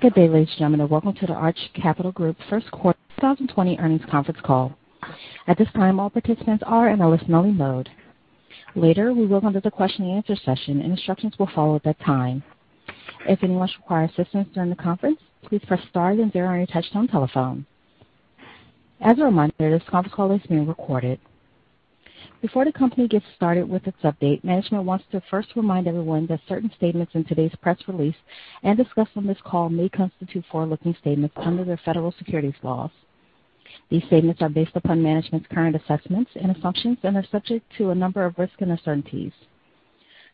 Good day, ladies and gentlemen. Welcome to the Arch Capital Group's First Quarter 2020 Earnings Conference Call. At this time, all participants are in a listen-only mode. Later, we will conduct a question-and-answer session, and instructions will follow at that time. If anyone should require assistance during the conference, please press star and then zero on your touch-tone telephone. As a reminder, this conference call is being recorded. Before the company gets started with its update, management wants to first remind everyone that certain statements in today's press release and discussed on this call may constitute forward-looking statements under the federal securities laws. These statements are based upon management's current assessments and assumptions and are subject to a number of risks and uncertainties.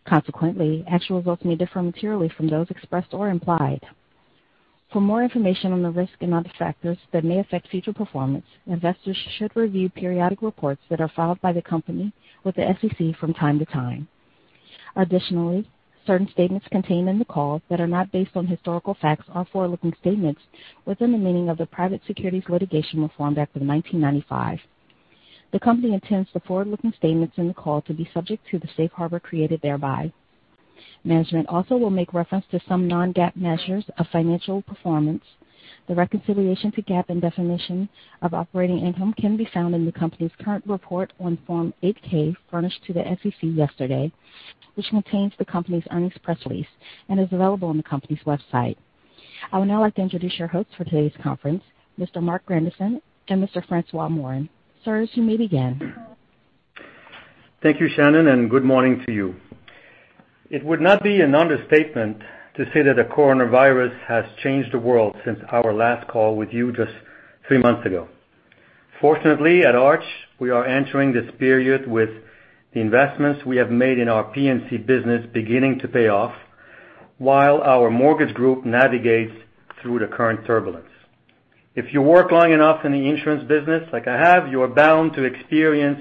Consequently, actual results may differ materially from those expressed or implied. For more information on the risks and other factors that may affect future performance, investors should review periodic reports that are filed by the company with the SEC from time to time. Additionally, certain statements contained in the call that are not based on historical facts are forward-looking statements within the meaning of the Private Securities Litigation Reform Act of 1995. The company intends the forward-looking statements in the call to be subject to the safe harbor created thereby. Management also will make reference to some non-GAAP measures of financial performance. The reconciliation to GAAP and definition of operating income can be found in the company's current report on Form 8-K furnished to the SEC yesterday, which contains the company's earnings press release and is available on the company's website. I would now like to introduce your hosts for today's conference, Mr. Marc Grandisson and Mr. François Morin. Sir, you may begin. Thank you, Shannon, and good morning to you. It would not be an understatement to say that the coronavirus has changed the world since our last call with you just three months ago. Fortunately, at Arch, we are entering this period with the investments we have made in our P&C business beginning to pay off while our mortgage group navigates through the current turbulence. If you work long enough in the insurance business, like I have, you are bound to experience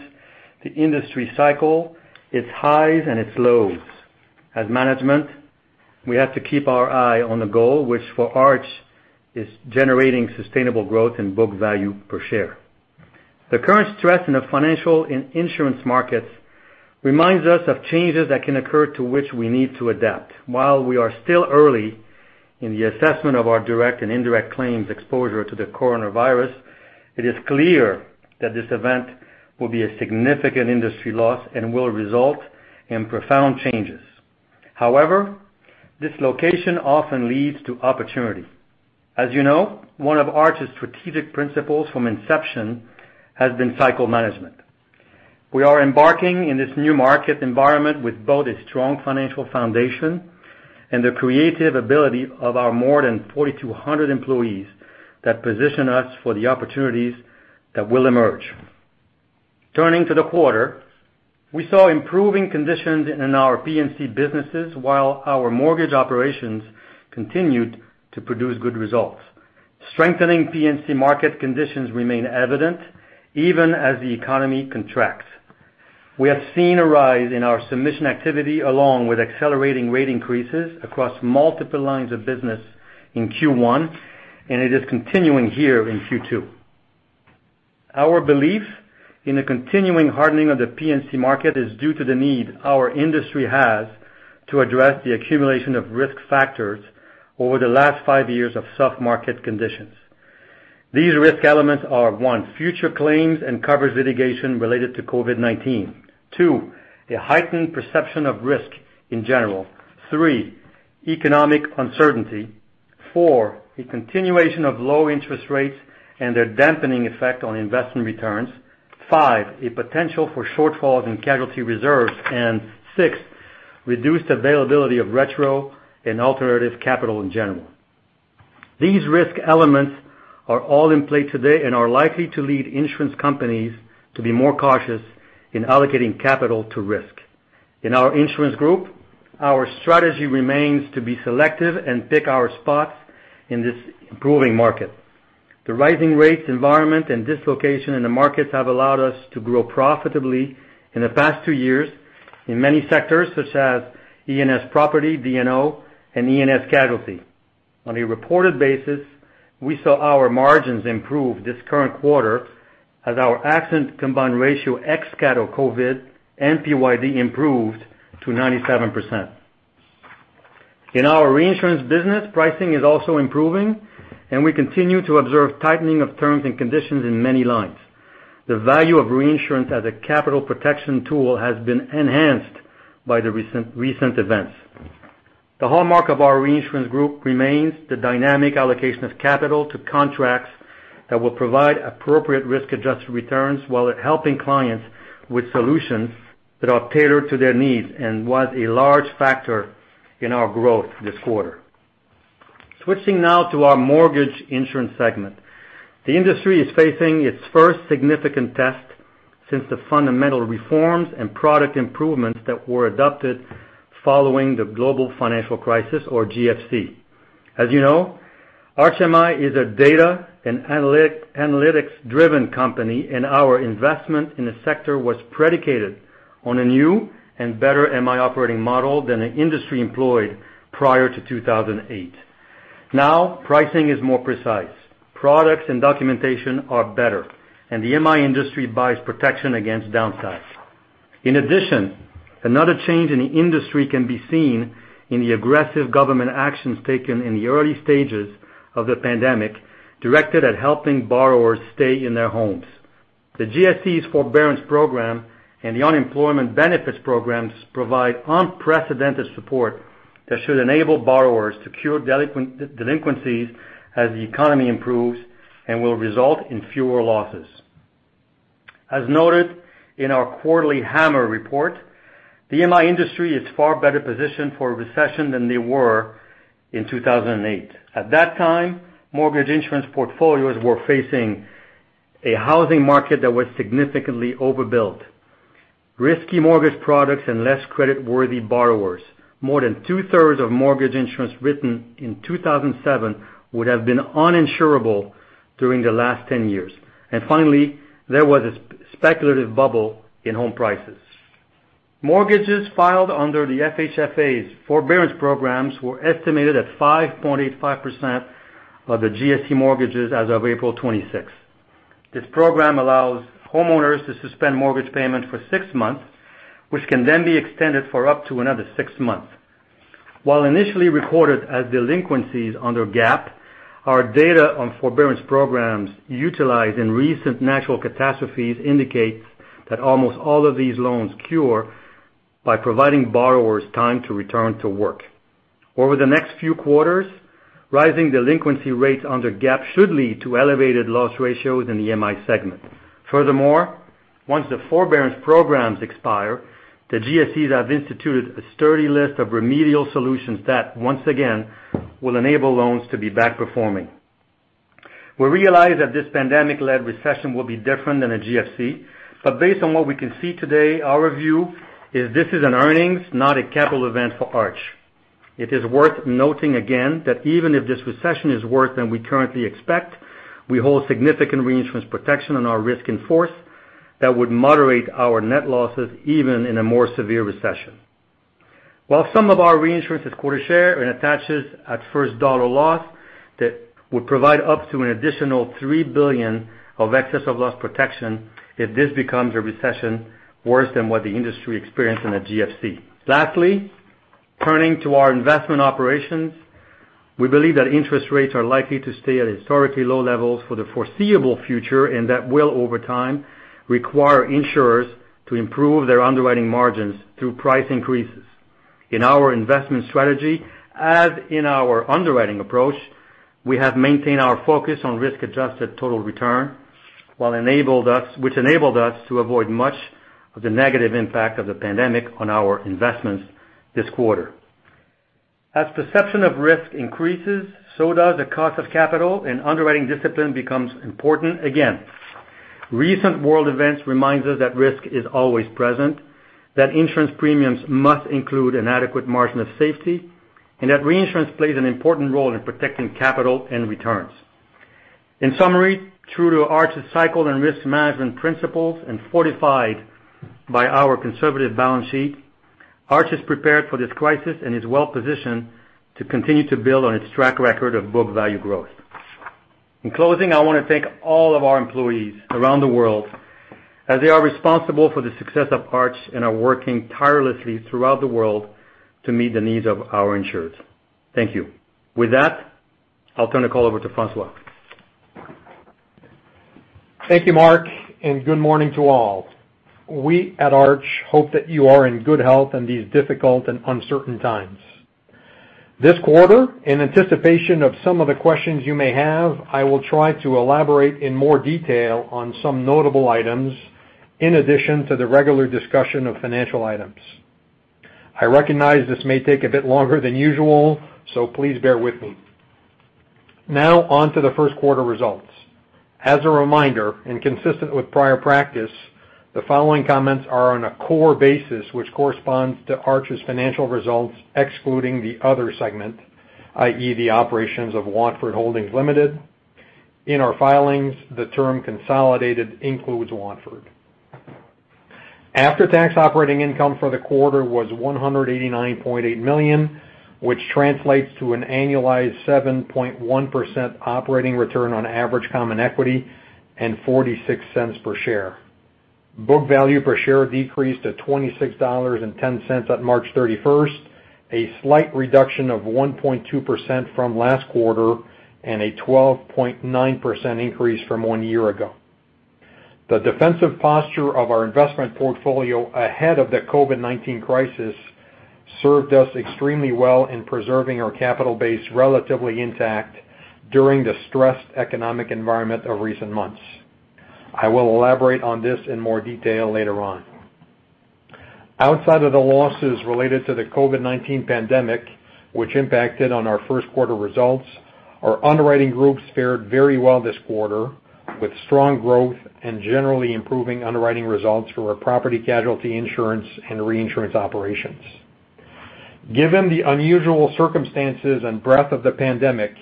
the industry cycle, its highs and its lows. As management, we have to keep our eye on the goal, which for Arch is generating sustainable growth in book value per share. The current stress in the financial and insurance markets reminds us of changes that can occur to which we need to adapt. While we are still early in the assessment of our direct and indirect claims exposure to the coronavirus, it is clear that this event will be a significant industry loss and will result in profound changes. However, dislocation often leads to opportunity. As you know, one of Arch's strategic principles from inception has been cycle management. We are embarking in this new market environment with both a strong financial foundation and the creative ability of our more than 4,200 employees that position us for the opportunities that will emerge. Turning to the quarter, we saw improving conditions in our P&C businesses while our mortgage operations continued to produce good results. Strengthening P&C market conditions remain evident even as the economy contracts. We have seen a rise in our submission activity along with accelerating rate increases across multiple lines of business in Q1, and it is continuing here in Q2. Our belief in the continuing hardening of the P&C market is due to the need our industry has to address the accumulation of risk factors over the last five years of soft market conditions. These risk elements are, one, future claims and coverage litigation related to COVID-19, two, a heightened perception of risk in general, three, economic uncertainty, four, a continuation of low interest rates and their dampening effect on investment returns, five, a potential for shortfalls in casualty reserves, and six, reduced availability of retro and alternative capital in general. These risk elements are all in play today and are likely to lead insurance companies to be more cautious in allocating capital to risk. In our insurance group, our strategy remains to be selective and pick our spots in this improving market. The rising rates environment and dislocation in the markets have allowed us to grow profitably in the past two years in many sectors such as E&S Property, D&O, and E&S Casualty. On a reported basis, we saw our margins improve this current quarter as our accident combined ratio ex-cat COVID and PYD improved to 97%. In our reinsurance business, pricing is also improving, and we continue to observe tightening of terms and conditions in many lines. The value of reinsurance as a capital protection tool has been enhanced by the recent events. The hallmark of our reinsurance group remains the dynamic allocation of capital to contracts that will provide appropriate risk-adjusted returns while helping clients with solutions that are tailored to their needs and was a large factor in our growth this quarter. Switching now to our mortgage insurance segment, the industry is facing its first significant test since the fundamental reforms and product improvements that were adopted following the global financial crisis or GFC. As you know, Arch MI is a data and analytics-driven company, and our investment in the sector was predicated on a new and better MI operating model than the industry employed prior to 2008. Now, pricing is more precise, products and documentation are better, and the MI industry buys protection against downsides. In addition, another change in the industry can be seen in the aggressive government actions taken in the early stages of the pandemic directed at helping borrowers stay in their homes. The GSEs' forbearance program and the unemployment benefits programs provide unprecedented support that should enable borrowers to cure delinquencies as the economy improves and will result in fewer losses. As noted in our quarterly HaMMR report, the MI industry is far better positioned for a recession than they were in 2008. At that time, mortgage insurance portfolios were facing a housing market that was significantly overbuilt, risky mortgage products, and less creditworthy borrowers. More than two-thirds of mortgage insurance written in 2007 would have been uninsurable during the last 10 years. And finally, there was a speculative bubble in home prices. Mortgages filed under the FHFA's forbearance programs were estimated at 5.85% of the GSE mortgages as of April 26. This program allows homeowners to suspend mortgage payments for six months, which can then be extended for up to another six months. While initially recorded as delinquencies under GAAP, our data on forbearance programs utilized in recent natural catastrophes indicates that almost all of these loans cure by providing borrowers time to return to work. Over the next few quarters, rising delinquency rates under GAAP should lead to elevated loss ratios in the MI segment. Furthermore, once the forbearance programs expire, the GSEs have instituted a standard list of remedial solutions that, once again, will enable loans to be performing. We realize that this pandemic-led recession will be different than a GFC, but based on what we can see today, our view is this is an earnings, not a capital event for Arch. It is worth noting again that even if this recession is worse than we currently expect, we hold significant reinsurance protection on our risk in force that would moderate our net losses even in a more severe recession. While some of our reinsurance is quota share and attaches at first dollar loss, that would provide up to an additional $3 billion of excess of loss protection if this becomes a recession worse than what the industry experienced in the GFC. Lastly, turning to our investment operations, we believe that interest rates are likely to stay at historically low levels for the foreseeable future and that will, over time, require insurers to improve their underwriting margins through price increases. In our investment strategy, as in our underwriting approach, we have maintained our focus on risk-adjusted total return, which enabled us to avoid much of the negative impact of the pandemic on our investments this quarter. As perception of risk increases, so does the cost of capital and underwriting discipline becomes important again. Recent world events remind us that risk is always present, that insurance premiums must include an adequate margin of safety, and that reinsurance plays an important role in protecting capital and returns. In summary, true to Arch's cycle and risk management principles and fortified by our conservative balance sheet, Arch is prepared for this crisis and is well-positioned to continue to build on its track record of book value growth. In closing, I want to thank all of our employees around the world as they are responsible for the success of Arch and are working tirelessly throughout the world to meet the needs of our insured. Thank you. With that, I'll turn the call over to François. Thank you, Marc, and good morning to all. We at Arch hope that you are in good health in these difficult and uncertain times. This quarter, in anticipation of some of the questions you may have, I will try to elaborate in more detail on some notable items in addition to the regular discussion of financial items. I recognize this may take a bit longer than usual, so please bear with me. Now, on to the first quarter results. As a reminder, and consistent with prior practice, the following comments are on a core basis which corresponds to Arch's financial results excluding the other segment, i.e., the operations of Watford Holdings Ltd. In our filings, the term consolidated includes Watford. After-tax operating income for the quarter was $189.8 million, which translates to an annualized 7.1% operating return on average common equity and $0.46 per share. Book value per share decreased to $26.10 at March 31, a slight reduction of 1.2% from last quarter and a 12.9% increase from one year ago. The defensive posture of our investment portfolio ahead of the COVID-19 crisis served us extremely well in preserving our capital base relatively intact during the stressed economic environment of recent months. I will elaborate on this in more detail later on. Outside of the losses related to the COVID-19 pandemic, which impacted on our first quarter results, our underwriting groups fared very well this quarter with strong growth and generally improving underwriting results for our property casualty insurance and reinsurance operations. Given the unusual circumstances and breadth of the pandemic,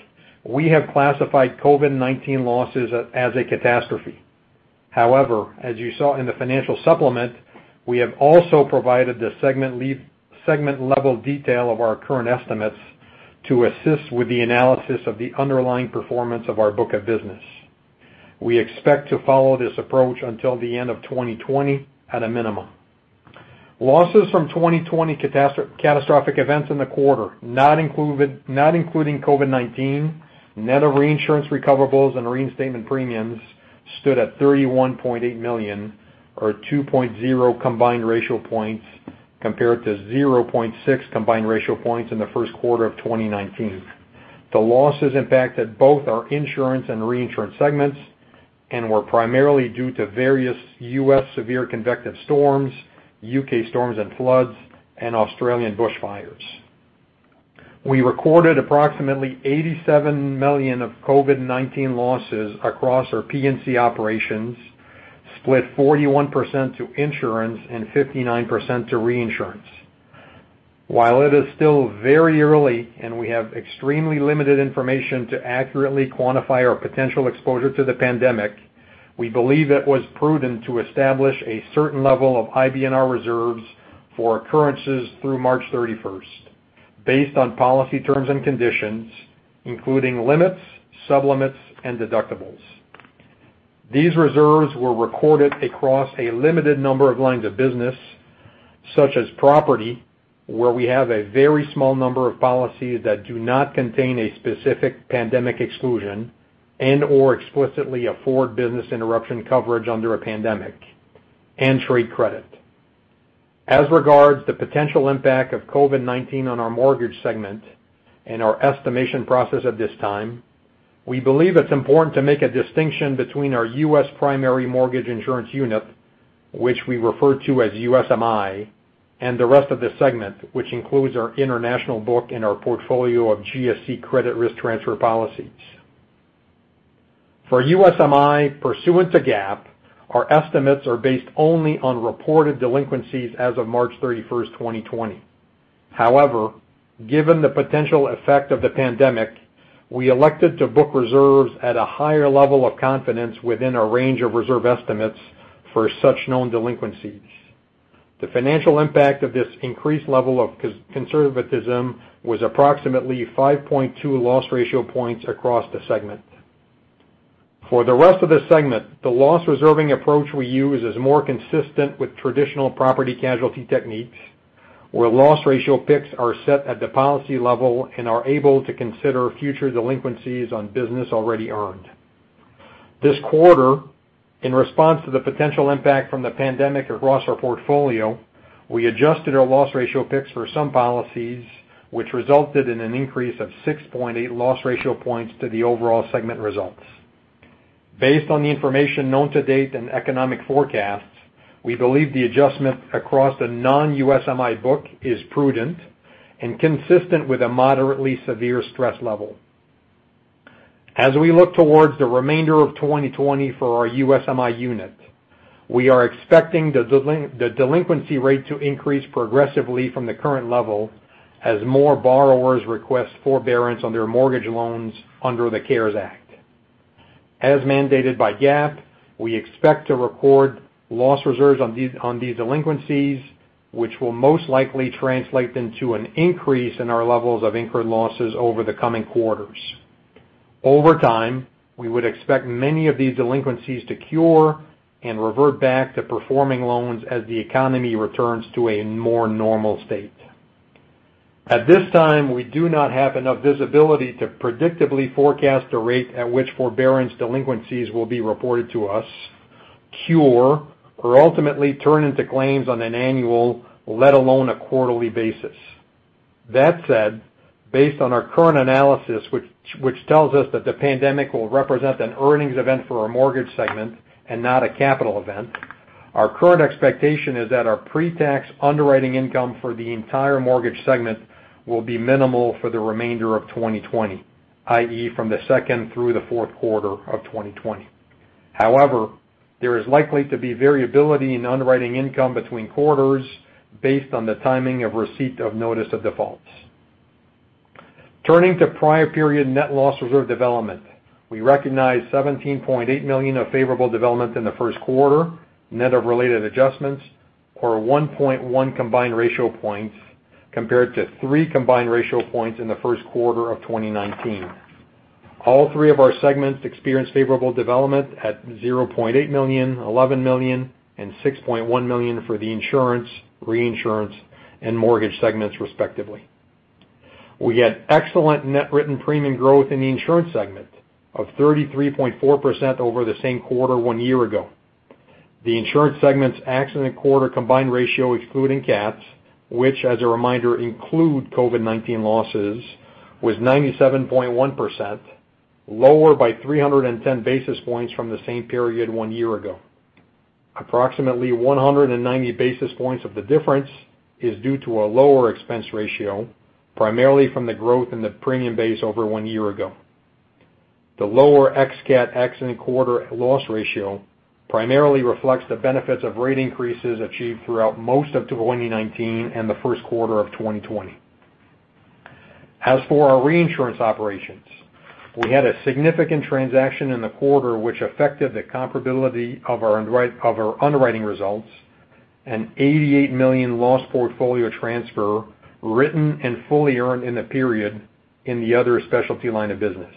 we have classified COVID-19 losses as a catastrophe. However, as you saw in the financial supplement, we have also provided the segment-level detail of our current estimates to assist with the analysis of the underlying performance of our book of business. We expect to follow this approach until the end of 2020 at a minimum. Losses from 2020 catastrophic events in the quarter, not including COVID-19, net of reinsurance recoverables and reinstatement premiums, stood at $31.8 million or 2.0 combined ratio points compared to 0.6 combined ratio points in the first quarter of 2019. The losses impacted both our insurance and reinsurance segments and were primarily due to various U.S. severe convective storms, U.K. storms and floods, and Australian bushfires. We recorded approximately $87 million of COVID-19 losses across our P&C operations, split 41% to insurance and 59% to reinsurance. While it is still very early and we have extremely limited information to accurately quantify our potential exposure to the pandemic, we believe it was prudent to establish a certain level of IBNR reserves for occurrences through March 31, based on policy terms and conditions, including limits, sublimits, and deductibles. These reserves were recorded across a limited number of lines of business, such as property, where we have a very small number of policies that do not contain a specific pandemic exclusion and/or explicitly afford business interruption coverage under a pandemic, and trade credit. As regards the potential impact of COVID-19 on our mortgage segment and our estimation process at this time, we believe it's important to make a distinction between our U.S. primary mortgage insurance unit, which we refer to as USMI, and the rest of the segment, which includes our international book and our portfolio of GSE credit risk transfer policies. For USMI pursuant to GAAP, our estimates are based only on reported delinquencies as of March 31, 2020. However, given the potential effect of the pandemic, we elected to book reserves at a higher level of confidence within our range of reserve estimates for such known delinquencies. The financial impact of this increased level of conservatism was approximately 5.2 loss ratio points across the segment. For the rest of the segment, the loss-reserving approach we use is more consistent with traditional property casualty techniques, where loss ratio picks are set at the policy level and are able to consider future delinquencies on business already earned. This quarter, in response to the potential impact from the pandemic across our portfolio, we adjusted our loss ratio picks for some policies, which resulted in an increase of 6.8 loss ratio points to the overall segment results. Based on the information known to date and economic forecasts, we believe the adjustment across the non-USMI book is prudent and consistent with a moderately severe stress level. As we look towards the remainder of 2020 for our USMI unit, we are expecting the delinquency rate to increase progressively from the current level as more borrowers request forbearance on their mortgage loans under the CARES Act. As mandated by GAAP, we expect to record loss reserves on these delinquencies, which will most likely translate into an increase in our levels of incurred losses over the coming quarters. Over time, we would expect many of these delinquencies to cure and revert back to performing loans as the economy returns to a more normal state. At this time, we do not have enough visibility to predictably forecast the rate at which forbearance delinquencies will be reported to us, cure, or ultimately turn into claims on an annual, let alone a quarterly basis. That said, based on our current analysis, which tells us that the pandemic will represent an earnings event for our mortgage segment and not a capital event, our current expectation is that our pre-tax underwriting income for the entire mortgage segment will be minimal for the remainder of 2020, i.e., from the second through the fourth quarter of 2020. However, there is likely to be variability in underwriting income between quarters based on the timing of receipt of notice of defaults. Turning to prior period net loss reserve development, we recognize 17.8 million of favorable development in the first quarter, net of related adjustments, or 1.1 combined ratio points compared to three combined ratio points in the first quarter of 2019. All three of our segments experienced favorable development at $0.8 million, $11 million, and $6.1 million for the insurance, reinsurance, and mortgage segments, respectively. We had excellent net written premium growth in the insurance segment of 33.4% over the same quarter one year ago. The insurance segment's accident quarter combined ratio, excluding cats, which, as a reminder, includes COVID-19 losses, was 97.1%, lower by 310 basis points from the same period one year ago. Approximately 190 basis points of the difference is due to a lower expense ratio, primarily from the growth in the premium base over one year ago. The lower ex-cat accident quarter loss ratio primarily reflects the benefits of rate increases achieved throughout most of 2019 and the first quarter of 2020. As for our reinsurance operations, we had a significant transaction in the quarter which affected the comparability of our underwriting results: a $88 million loss portfolio transfer written and fully earned in the period in the Other Specialty line of business.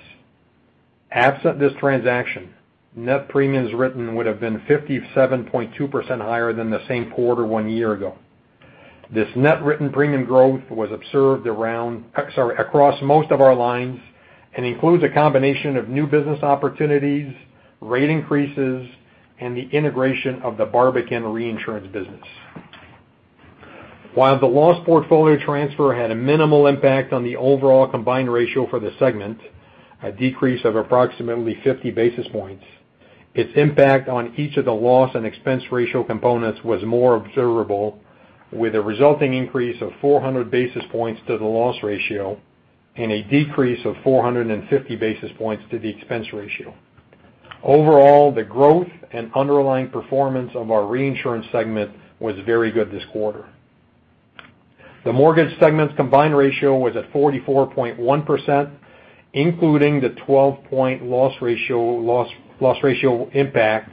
Absent this transaction, net premiums written would have been 57.2% higher than the same quarter one year ago. This net written premium growth was observed across most of our lines and includes a combination of new business opportunities, rate increases, and the integration of the Barbican reinsurance business. While the loss portfolio transfer had a minimal impact on the overall combined ratio for the segment, a decrease of approximately 50 basis points, its impact on each of the loss and expense ratio components was more observable, with a resulting increase of 400 basis points to the loss ratio and a decrease of 450 basis points to the expense ratio. Overall, the growth and underlying performance of our reinsurance segment was very good this quarter. The mortgage segment's combined ratio was at 44.1%, including the 12-point loss ratio impact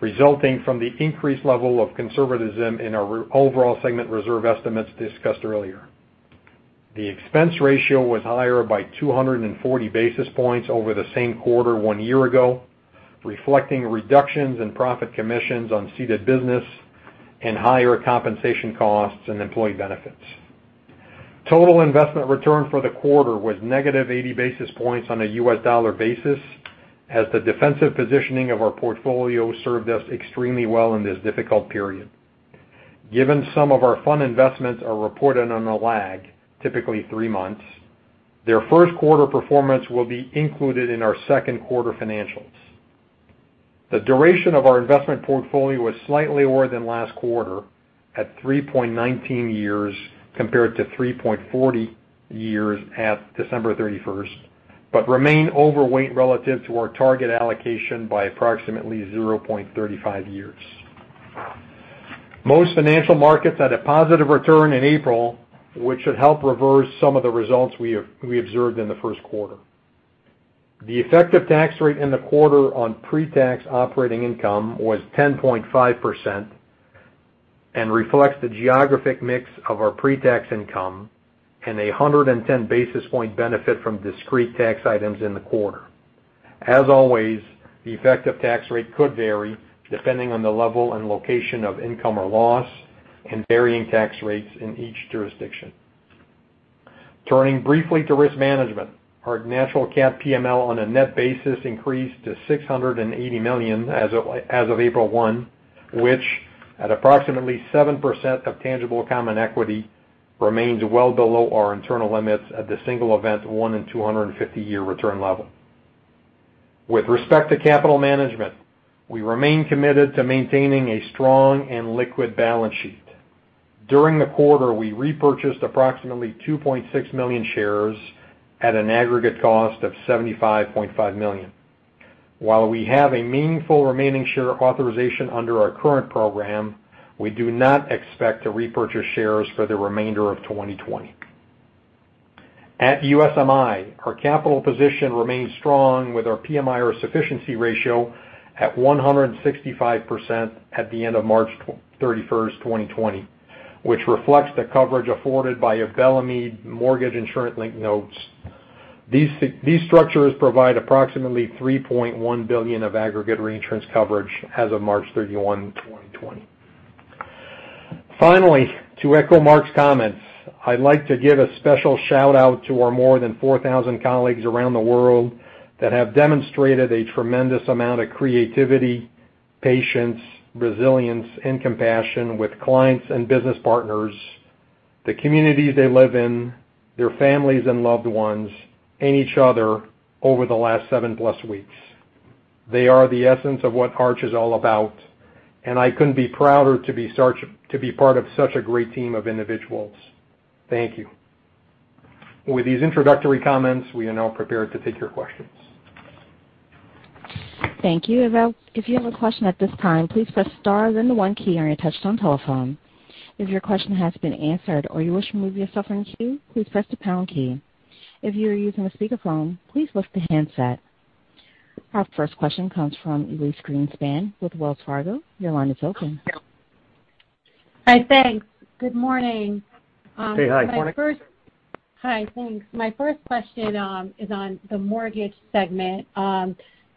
resulting from the increased level of conservatism in our overall segment reserve estimates discussed earlier. The expense ratio was higher by 240 basis points over the same quarter one year ago, reflecting reductions in profit commissions on ceded business and higher compensation costs and employee benefits. Total investment return for the quarter was negative 80 basis points on a U.S. dollar basis, as the defensive positioning of our portfolio served us extremely well in this difficult period. Given some of our fund investments are reported on a lag, typically three months, their first quarter performance will be included in our second quarter financials. The duration of our investment portfolio was slightly lower than last quarter at 3.19 years compared to 3.40 years at December 31, but remained overweight relative to our target allocation by approximately 0.35 years. Most financial markets had a positive return in April, which should help reverse some of the results we observed in the first quarter. The effective tax rate in the quarter on pre-tax operating income was 10.5% and reflects the geographic mix of our pre-tax income and a 110 basis points benefit from discrete tax items in the quarter. As always, the effective tax rate could vary depending on the level and location of income or loss and varying tax rates in each jurisdiction. Turning briefly to risk management, our natural cat PML on a net basis increased to $680 million as of April 1, which, at approximately 7% of tangible common equity, remains well below our internal limits at the single event 1-in-250-year return level. With respect to capital management, we remain committed to maintaining a strong and liquid balance sheet. During the quarter, we repurchased approximately 2.6 million shares at an aggregate cost of $75.5 million. While we have a meaningful remaining share authorization under our current program, we do not expect to repurchase shares for the remainder of 2020. At USMI, our capital position remains strong with our PMIERs sufficiency ratio at 165% at the end of March 31, 2020, which reflects the coverage afforded by Bellemeade mortgage insurance-linked notes. These structures provide approximately $3.1 billion of aggregate reinsurance coverage as of March 31, 2020. Finally, to echo Marc's comments, I'd like to give a special shout-out to our more than 4,000 colleagues around the world that have demonstrated a tremendous amount of creativity, patience, resilience, and compassion with clients and business partners, the communities they live in, their families and loved ones, and each other over the last seven-plus weeks. They are the essence of what Arch is all about, and I couldn't be prouder to be part of such a great team of individuals. Thank you. With these introductory comments, we are now prepared to take your questions. Thank you. If you have a question at this time, please press star, then the one key on your touch-tone telephone. If your question has been answered or you wish to remove yourself from the queue, please press the pound key. If you are using a speakerphone, please lift the handset. Our first question comes from Elyse Greenspan with Wells Fargo. Your line is open. Hi, thanks. Good morning. Hey, hi. My first. Hi, thanks. My first question is on the mortgage segment.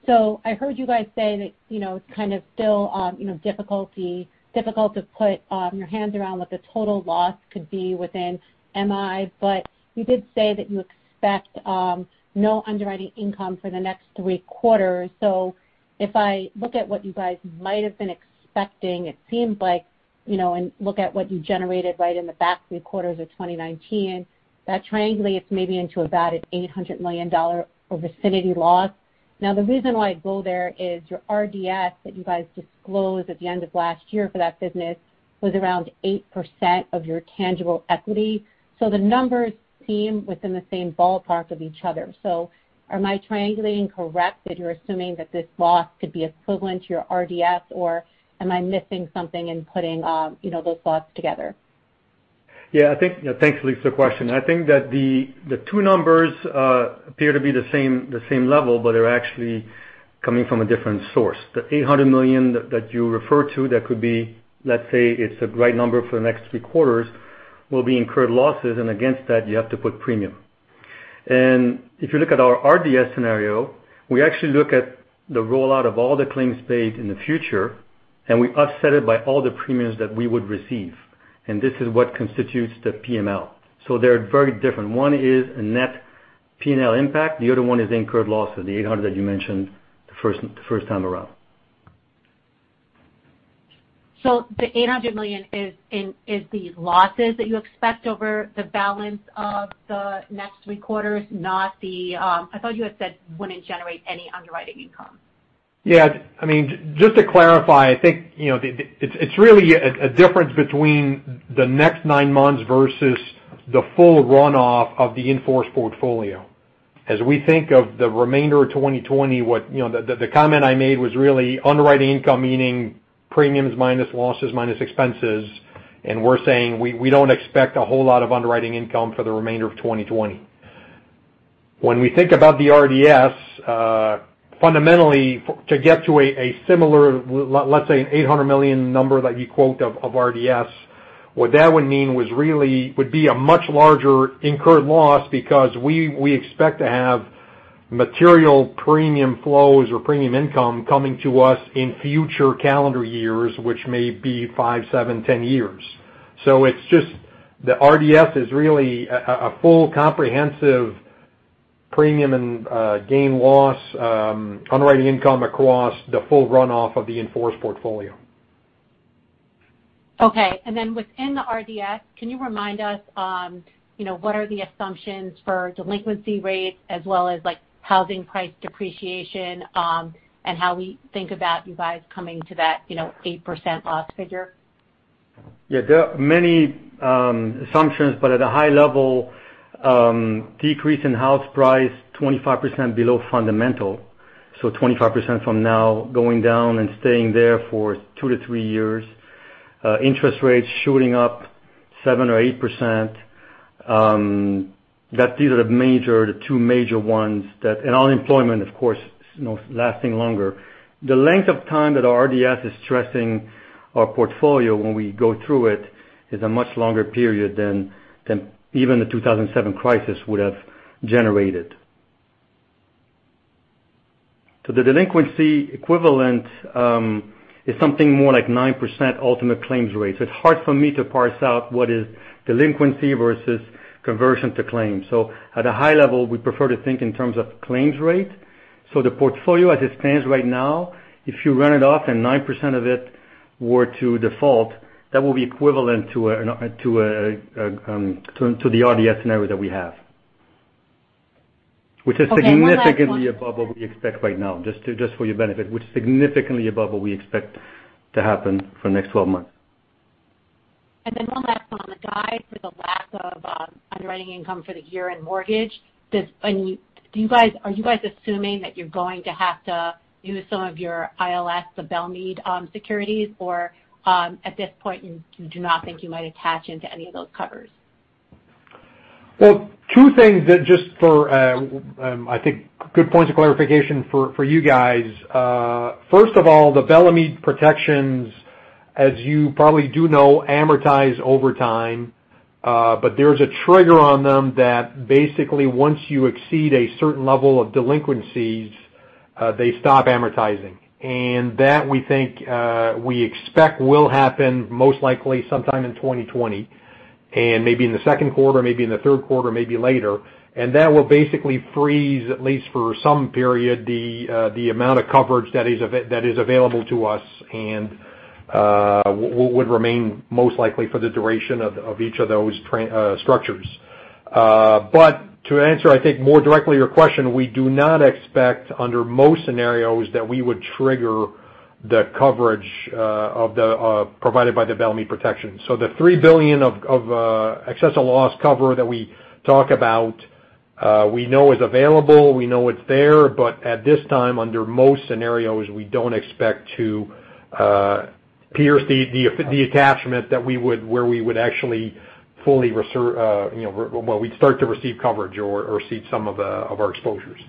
So I heard you guys say that it's kind of still difficult to put your hands around what the total loss could be within MI, but you did say that you expect no underwriting income for the next three quarters. So if I look at what you guys might have been expecting, it seems like, and look at what you generated right in the back three quarters of 2019, that triangulates maybe into about an $800 million of vicinity loss. Now, the reason why I go there is your RDS that you guys disclosed at the end of last year for that business was around 8% of your tangible equity. So the numbers seem within the same ballpark of each other. So am I triangulating correctly that you're assuming that this loss could be equivalent to your RDS, or am I missing something in putting those thoughts together? Yeah, thanks, Elyse, for the question. I think that the two numbers appear to be the same level, but they're actually coming from a different source. The $800 million that you refer to, that could be, let's say, it's a right number for the next three quarters, will be incurred losses, and against that, you have to put premium. And if you look at our RDS scenario, we actually look at the rollout of all the claims paid in the future, and we offset it by all the premiums that we would receive. And this is what constitutes the PML. So they're very different. One is a net P&L impact. The other one is incurred losses, the $800 million that you mentioned the first time around. So the $800 million is the losses that you expect over the balance of the next three quarters, not the. I thought you had said wouldn't generate any underwriting income. Yeah. I mean, just to clarify, I think it's really a difference between the next nine months versus the full runoff of the in-force portfolio. As we think of the remainder of 2020, the comment I made was really underwriting income, meaning premiums minus losses minus expenses, and we're saying we don't expect a whole lot of underwriting income for the remainder of 2020. When we think about the RDS, fundamentally, to get to a similar, let's say, an $800 million number that you quote of RDS, what that would mean would be a much larger incurred loss because we expect to have material premium flows or premium income coming to us in future calendar years, which may be five, seven, 10 years. So it's just the RDS is really a full comprehensive premium and gain loss underwriting income across the full runoff of the in-force portfolio. Okay. And then within the RDS, can you remind us what are the assumptions for delinquency rates as well as housing price depreciation and how we think about you guys coming to that 8% loss figure? Yeah. There are many assumptions, but at a high level, decrease in house price, 25% below fundamental. So 25% from now going down and staying there for two to three years. Interest rates shooting up 7% or 8%. These are the two major ones, and unemployment, of course, lasting longer. The length of time that our RDS is stressing our portfolio when we go through it is a much longer period than even the 2007 crisis would have generated. So the delinquency equivalent is something more like 9% ultimate claims rate. So it's hard for me to parse out what is delinquency versus conversion to claims. So at a high level, we prefer to think in terms of claims rate. So, the portfolio, as it stands right now, if you run it off and 9% of it were to default, that will be equivalent to the RDS scenario that we have, which is significantly above what we expect right now, just for your benefit, which is significantly above what we expect to happen for the next 12 months. And then one last one. The guide for the lack of underwriting income for the year in mortgage, are you guys assuming that you're going to have to use some of your ILS, the Bellemeade securities, or at this point, you do not think you might attach into any of those covers? Two things that just for, I think, good points of clarification for you guys. First of all, the Bellemeade protections, as you probably do know, amortize over time, but there's a trigger on them that basically, once you exceed a certain level of delinquencies, they stop amortizing. And that, we think, we expect will happen most likely sometime in 2020 and maybe in the second quarter, maybe in the third quarter, maybe later. And that will basically freeze, at least for some period, the amount of coverage that is available to us and would remain most likely for the duration of each of those structures. But to answer, I think, more directly your question, we do not expect, under most scenarios, that we would trigger the coverage provided by the Bellemeade protections. The $3 billion of excess of loss cover that we talk about, we know is available, we know it's there, but at this time, under most scenarios, we don't expect to pierce the attachment where we would actually start to receive coverage or see some of our exposures.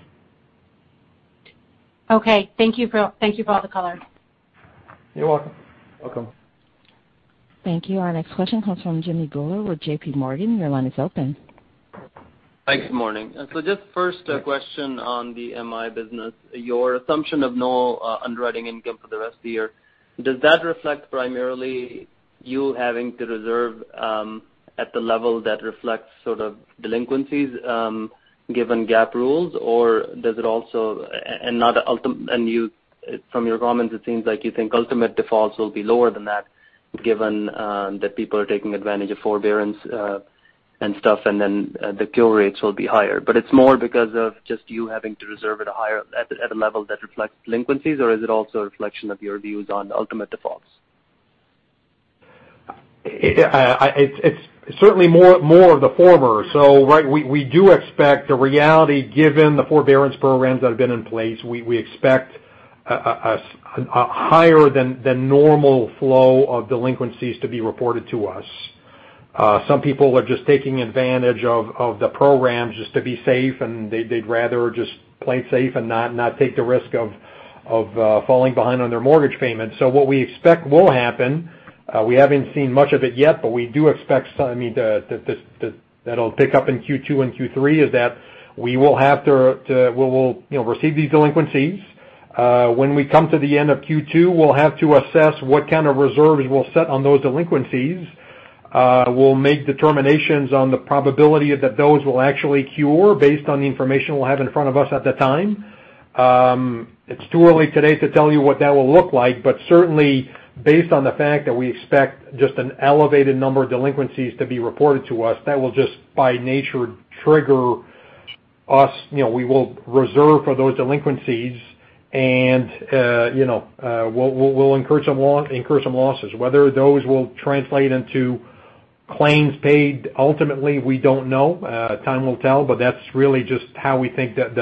Okay. Thank you for all the color. You're welcome. Welcome. Thank you. Our next question comes from Jimmy Bhullar with JPMorgan. Your line is open. Hi, good morning. So just first, a question on the MI business. Your assumption of no underwriting income for the rest of the year, does that reflect primarily you having to reserve at the level that reflects sort of delinquencies given GAAP rules, or does it also—and from your comments, it seems like you think ultimate defaults will be lower than that given that people are taking advantage of forbearance and stuff, and then the cure rates will be higher. But it's more because of just you having to reserve at a level that reflects delinquencies, or is it also a reflection of your views on ultimate defaults? It's certainly more of the former. So we do expect the reality, given the forbearance programs that have been in place, we expect a higher than normal flow of delinquencies to be reported to us. Some people are just taking advantage of the programs just to be safe, and they'd rather just play it safe and not take the risk of falling behind on their mortgage payments. So what we expect will happen, we haven't seen much of it yet, but we do expect, I mean, that it'll pick up in Q2 and Q3, is that we will have to receive these delinquencies. When we come to the end of Q2, we'll have to assess what kind of reserves we'll set on those delinquencies. We'll make determinations on the probability that those will actually cure based on the information we'll have in front of us at the time. It's too early today to tell you what that will look like, but certainly, based on the fact that we expect just an elevated number of delinquencies to be reported to us, that will just, by nature, trigger us. We will reserve for those delinquencies, and we'll incur some losses. Whether those will translate into claims paid, ultimately, we don't know. Time will tell, but that's really just how we think that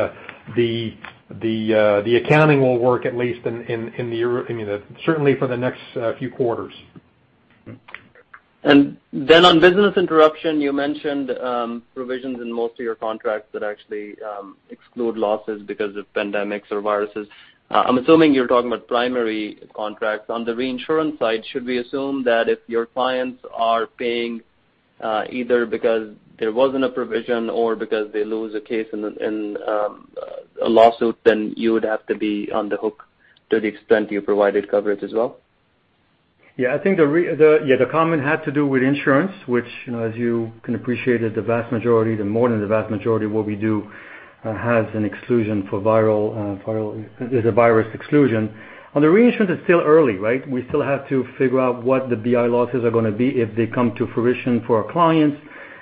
the accounting will work, at least in the—I mean, certainly for the next few quarters. And then on business interruption, you mentioned provisions in most of your contracts that actually exclude losses because of pandemics or viruses. I'm assuming you're talking about primary contracts. On the reinsurance side, should we assume that if your clients are paying either because there wasn't a provision or because they lose a case in a lawsuit, then you would have to be on the hook to the extent you provided coverage as well? Yeah. I think the comment had to do with insurance, which, as you can appreciate, the vast majority, the more than the vast majority of what we do has an exclusion for viral—is a virus exclusion. On the reinsurance, it's still early, right? We still have to figure out what the BI losses are going to be if they come to fruition for our clients,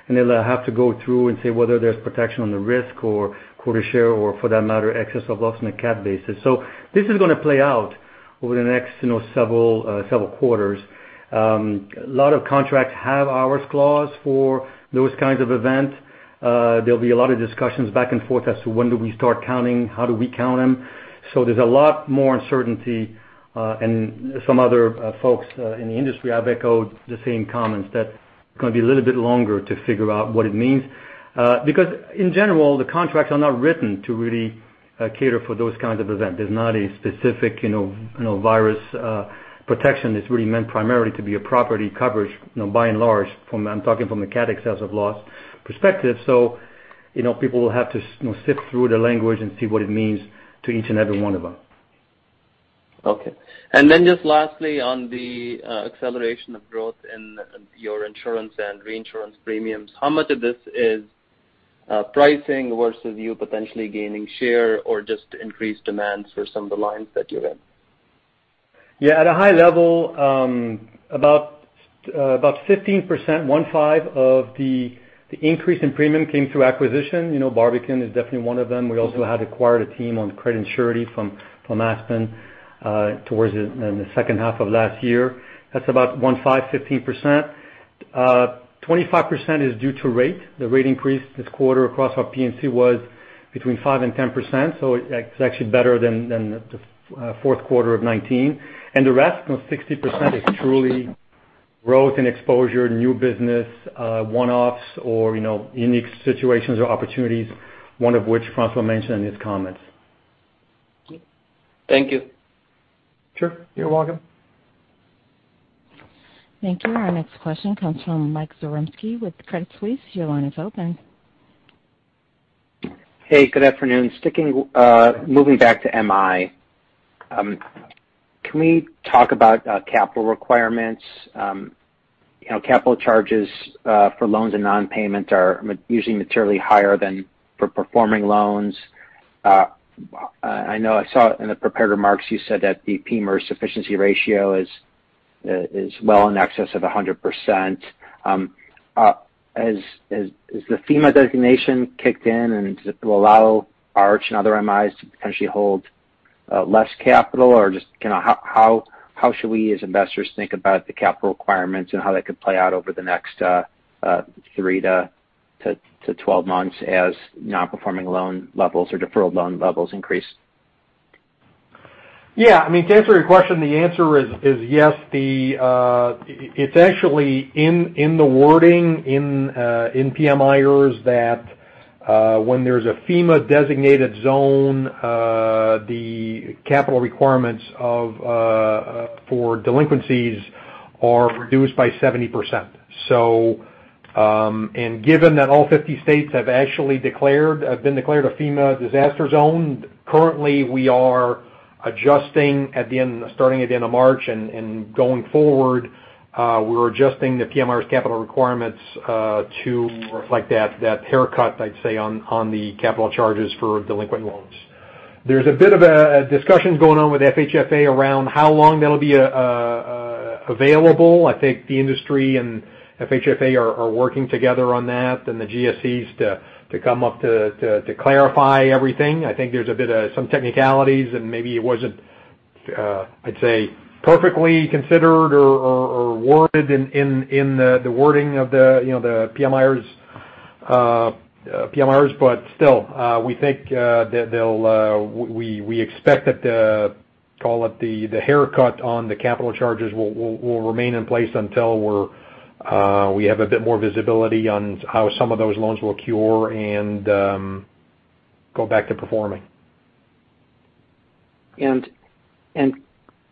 and they'll have to go through and say whether there's protection on the risk or quota share or, for that matter, excess of loss on a cap basis. So this is going to play out over the next several quarters. A lot of contracts have hours clause for those kinds of events. There'll be a lot of discussions back and forth as to when do we start counting, how do we count them. So there's a lot more uncertainty. Some other folks in the industry have echoed the same comments that it's going to be a little bit longer to figure out what it means. Because, in general, the contracts are not written to really cater for those kinds of events. There's not a specific virus protection. It's really meant primarily to be a property coverage, by and large. I'm talking from a cat-excess of loss perspective. People will have to sift through the language and see what it means to each and every one of them. Okay. And then just lastly, on the acceleration of growth in your insurance and reinsurance premiums, how much of this is pricing versus you potentially gaining share or just increased demands for some of the lines that you're in? Yeah. At a high level, about 15%, 15 of the increase in premium came through acquisition. Barbican is definitely one of them. We also had acquired a team on Credit & Surety from Aspen towards the second half of last year. That's about 15, 15%. 25% is due to rate. The rate increase this quarter across our P&C was between 5%-10%. So it's actually better than the fourth quarter of 2019. And the rest, 60%, is truly growth and exposure, new business, one-offs, or unique situations or opportunities, one of which François mentioned in his comments. Thank you. Sure. You're welcome. Thank you. Our next question comes from Mike Zaremski with Credit Suisse. Your line is open. Hey, good afternoon. Moving back to MI, can we talk about capital requirements? Capital charges for loans and non-payments are usually materially higher than for performing loans. I know I saw in the prepared remarks you said that the PMIERs sufficiency ratio is well in excess of 100%. Has the FEMA designation kicked in, and will allow Arch and other MIs to potentially hold less capital, or just how should we, as investors, think about the capital requirements and how that could play out over the next 3-12 months as non-performing loan levels or deferred loan levels increase? Yeah. I mean, to answer your question, the answer is yes. It's actually in the wording in PMIERs that when there's a FEMA designated zone, the capital requirements for delinquencies are reduced by 70%. And given that all 50 states have been declared a FEMA disaster zone, currently, we are adjusting at the end, starting at the end of March and going forward, we're adjusting the PMIERs capital requirements to reflect that haircut, I'd say, on the capital charges for delinquent loans. There's a bit of a discussion going on with FHFA around how long that'll be available. I think the industry and FHFA are working together on that and the GSEs to come up to clarify everything. I think there's a bit of some technicalities, and maybe it wasn't, I'd say, perfectly considered or worded in the wording of the PMIERs. But still, we think that we expect that, call it the haircut on the capital charges, will remain in place until we have a bit more visibility on how some of those loans will cure and go back to performing.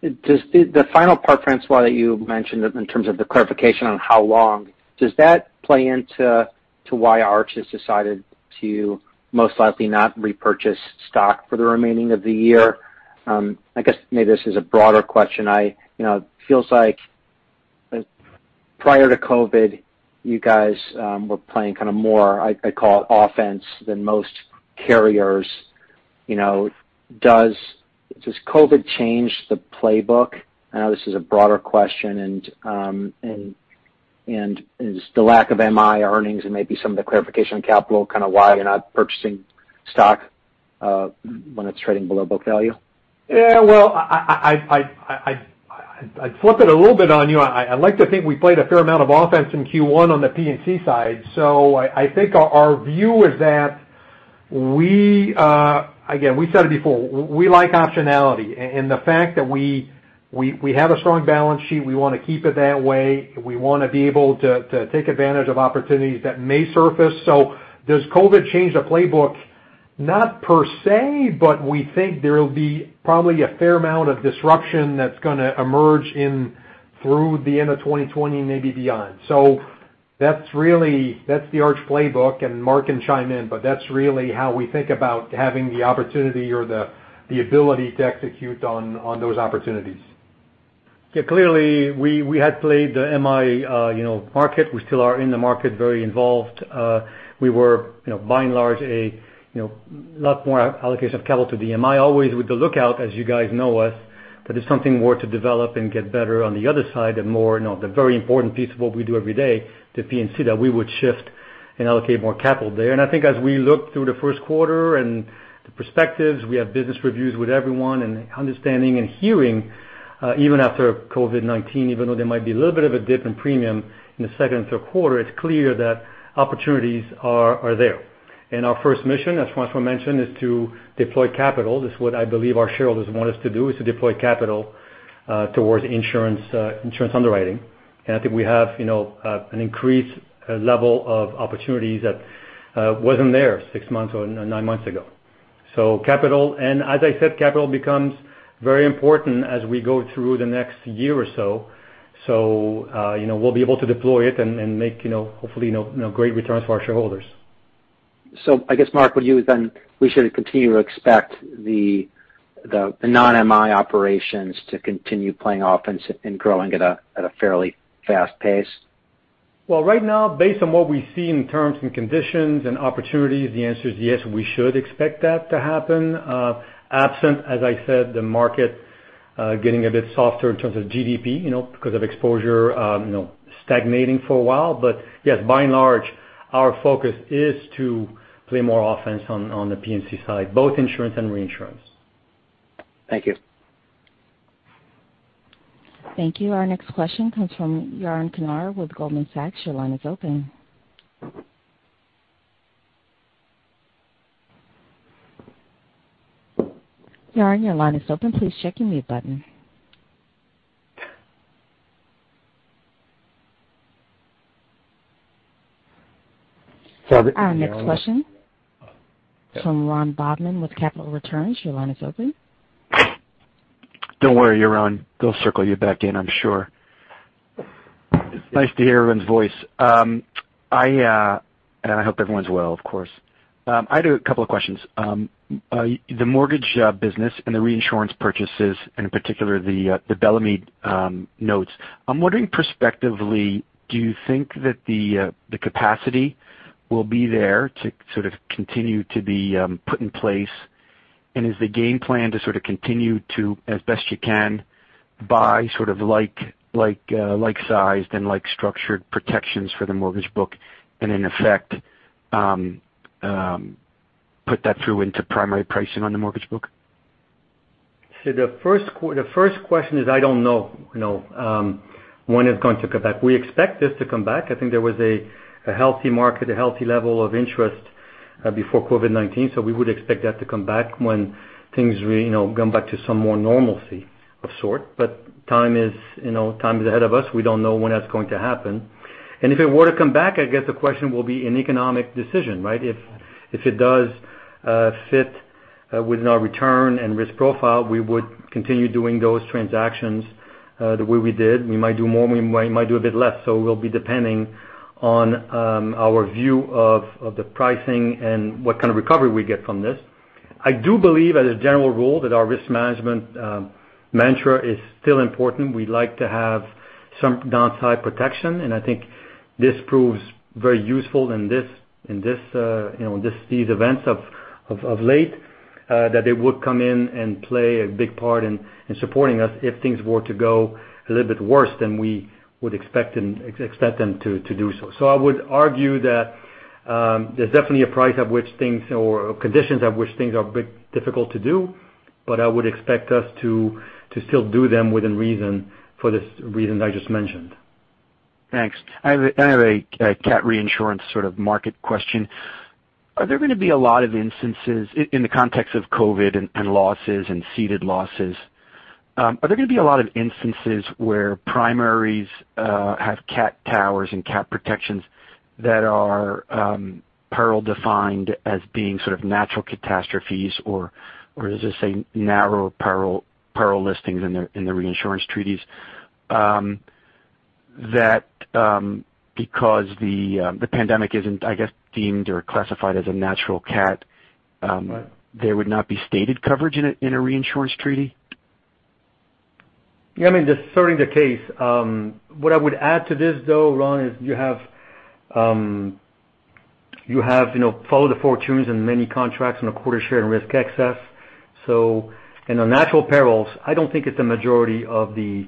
The final part, François, that you mentioned in terms of the clarification on how long, does that play into why Arch has decided to most likely not repurchase stock for the remainder of the year? I guess maybe this is a broader question. It feels like prior to COVID, you guys were playing kind of more, I'd call it, offense than most carriers. Does COVID change the playbook? I know this is a broader question, and is the lack of MI earnings and maybe some of the clarification on capital kind of why you're not purchasing stock when it's trading below book value? Yeah. Well, I'd flip it a little bit on you. I like to think we played a fair amount of offense in Q1 on the P&C side. So I think our view is that, again, we said it before, we like optionality. And the fact that we have a strong balance sheet, we want to keep it that way. We want to be able to take advantage of opportunities that may surface. So does COVID change the playbook? Not per se, but we think there will be probably a fair amount of disruption that's going to emerge through the end of 2020 and maybe beyond. So that's the Arch playbook, and Marc can chime in, but that's really how we think about having the opportunity or the ability to execute on those opportunities. Yeah. Clearly, we had played the MI market. We still are in the market, very involved. We were, by and large, a lot more allocation of capital to the MI, always with the lookout, as you guys know us, that if something were to develop and get better on the other side and more the very important piece of what we do every day, the P&C, that we would shift and allocate more capital there. And I think as we look through the first quarter and the perspectives, we have business reviews with everyone and understanding and hearing, even after COVID-19, even though there might be a little bit of a dip in premium in the second and third quarter, it's clear that opportunities are there. And our first mission, as François mentioned, is to deploy capital. This is what I believe our shareholders want us to do, is to deploy capital towards insurance underwriting. And I think we have an increased level of opportunities that wasn't there six months or nine months ago. So capital, and as I said, capital becomes very important as we go through the next year or so. So we'll be able to deploy it and make, hopefully, great returns for our shareholders. So, I guess, Marc, would you then we should continue to expect the non-MI operations to continue playing offense and growing at a fairly fast pace? Right now, based on what we see in terms and conditions and opportunities, the answer is yes, we should expect that to happen. Absent, as I said, the market getting a bit softer in terms of GDP because of exposure stagnating for a while. Yes, by and large, our focus is to play more offense on the P&C side, both insurance and reinsurance. Thank you. Thank you. Our next question comes from Yaron Kinar with Goldman Sachs. Your line is open. Yaron, your line is open. Please check your mute button. Our next question from Ron Bobman with Capital Returns. Your line is open. Don't worry, Yaron. They'll circle you back in, I'm sure. Nice to hear everyone's voice, and I hope everyone's well, of course. I had a couple of questions. The mortgage business and the reinsurance purchases, and in particular, the Bellemeade notes. I'm wondering, prospectively, do you think that the capacity will be there to sort of continue to be put in place? And is the game plan to sort of continue to, as best you can, buy sort of like-sized and like-structured protections for the mortgage book and, in effect, put that through into primary pricing on the mortgage book? So the first question is, I don't know when it's going to come back. We expect this to come back. I think there was a healthy market, a healthy level of interest before COVID-19, so we would expect that to come back when things come back to some more normalcy of sort. But time is ahead of us. We don't know when that's going to happen. And if it were to come back, I guess the question will be an economic decision, right? If it does fit within our return and risk profile, we would continue doing those transactions the way we did. We might do more. We might do a bit less. So we'll be depending on our view of the pricing and what kind of recovery we get from this. I do believe, as a general rule, that our risk management mantra is still important. We'd like to have some downside protection. And I think this proves very useful in these events of late that they would come in and play a big part in supporting us if things were to go a little bit worse than we would expect them to do so. So I would argue that there's definitely a price at which things or conditions at which things are a bit difficult to do, but I would expect us to still do them within reason for the reasons I just mentioned. Thanks. I have a cat reinsurance sort of market question. Are there going to be a lot of instances in the context of COVID and losses and ceded losses? Are there going to be a lot of instances where primaries have cat towers and cat protections that are peril defined as being sort of natural catastrophes, or is this, say, narrow peril listings in the reinsurance treaties that because the pandemic isn't, I guess, deemed or classified as a natural cat, there would not be stated coverage in a reinsurance treaty? Yeah. I mean, just serving the case, what I would add to this, though, Ron, is you have followed the fortunes in many contracts on a quota share and risk excess. So in the natural perils, I don't think it's the majority of the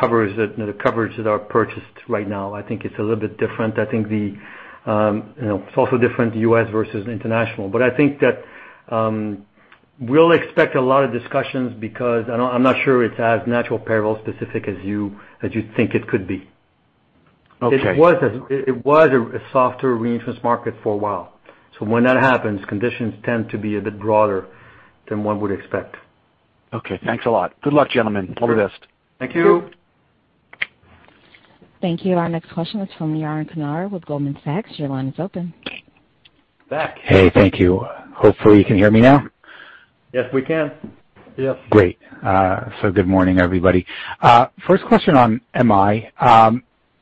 coverage that are purchased right now. I think it's a little bit different. I think it's also different U.S. versus international. But I think that we'll expect a lot of discussions because I'm not sure it's as natural peril specific as you think it could be. It was a softer reinsurance market for a while. So when that happens, conditions tend to be a bit broader than one would expect. Okay. Thanks a lot. Good luck, gentlemen. All the best. Thank you. Thank you. Our next question is from Yaron Kinar with Goldman Sachs. Your line is open. Back. Hey, thank you. Hopefully, you can hear me now. Yes, we can. Yes. Great. So good morning, everybody. First question on MI.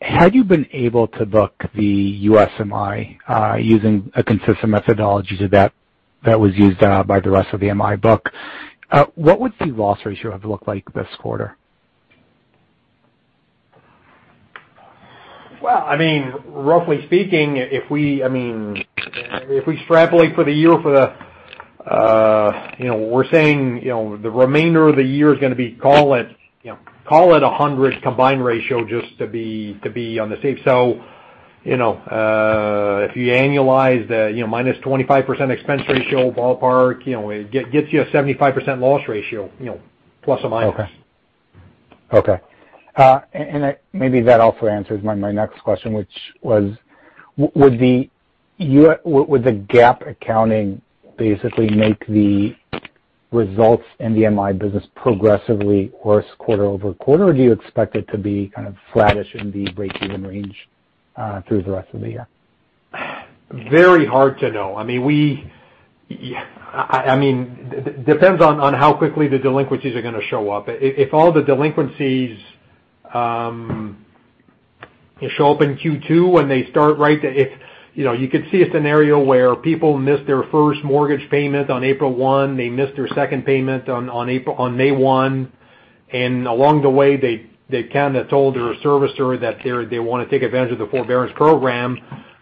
Had you been able to book the U.S. MI using a consistent methodology that was used by the rest of the MI book, what would the loss ratio have looked like this quarter? I mean, roughly speaking, if we extrapolate for the year, we're saying the remainder of the year is going to be, call it, 100 combined ratio just to be on the safe side. So if you annualize the minus 25% expense ratio ballpark, it gets you a 75% loss ratio plus or minus. Okay. Okay. And maybe that also answers my next question, which was, would the GAAP accounting basically make the results in the MI business progressively worse quarter-over-quarter, or do you expect it to be kind of flattish in the break-even range through the rest of the year? Very hard to know. I mean, it depends on how quickly the delinquencies are going to show up. If all the delinquencies show up in Q2 when they start, right, you could see a scenario where people miss their first mortgage payment on April 1, they miss their second payment on May 1, and along the way, they kind of told their servicer that they want to take advantage of the forbearance program.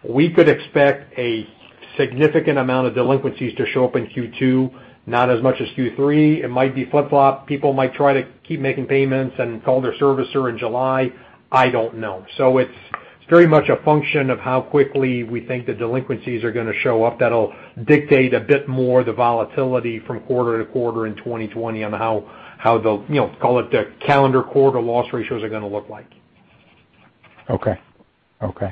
We could expect a significant amount of delinquencies to show up in Q2, not as much as Q3. It might be flip-flopped. People might try to keep making payments and call their servicer in July. I don't know. So it's very much a function of how quickly we think the delinquencies are going to show up that'll dictate a bit more the volatility from quarter to quarter in 2020 on how the, call it, the calendar quarter loss ratios are going to look like. Okay. Okay.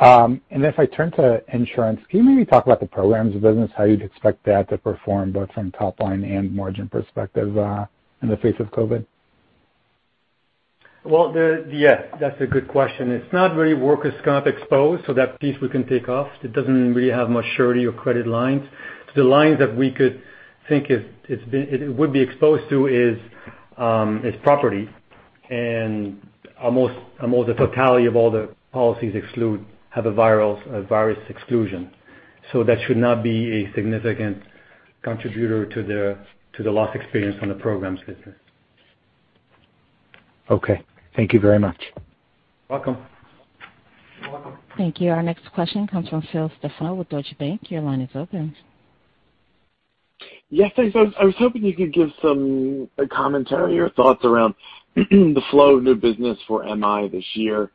And if I turn to insurance, can you maybe talk about the programs of business, how you'd expect that to perform both from top line and margin perspective in the face of COVID? Yeah, that's a good question. It's not very workers' comp exposed, so that piece we can take off. It doesn't really have much surety or credit lines. So the lines that we could think it would be exposed to is property and almost the totality of all the policies all have a virus exclusion. So that should not be a significant contributor to the loss experience on the programs business. Okay. Thank you very much. You're welcome. You're welcome. Thank you. Our next question comes from Phil Stefano with Deutsche Bank. Your line is open. Yes, thanks. I was hoping you could give some commentary or thoughts around the flow of new business for MI this year.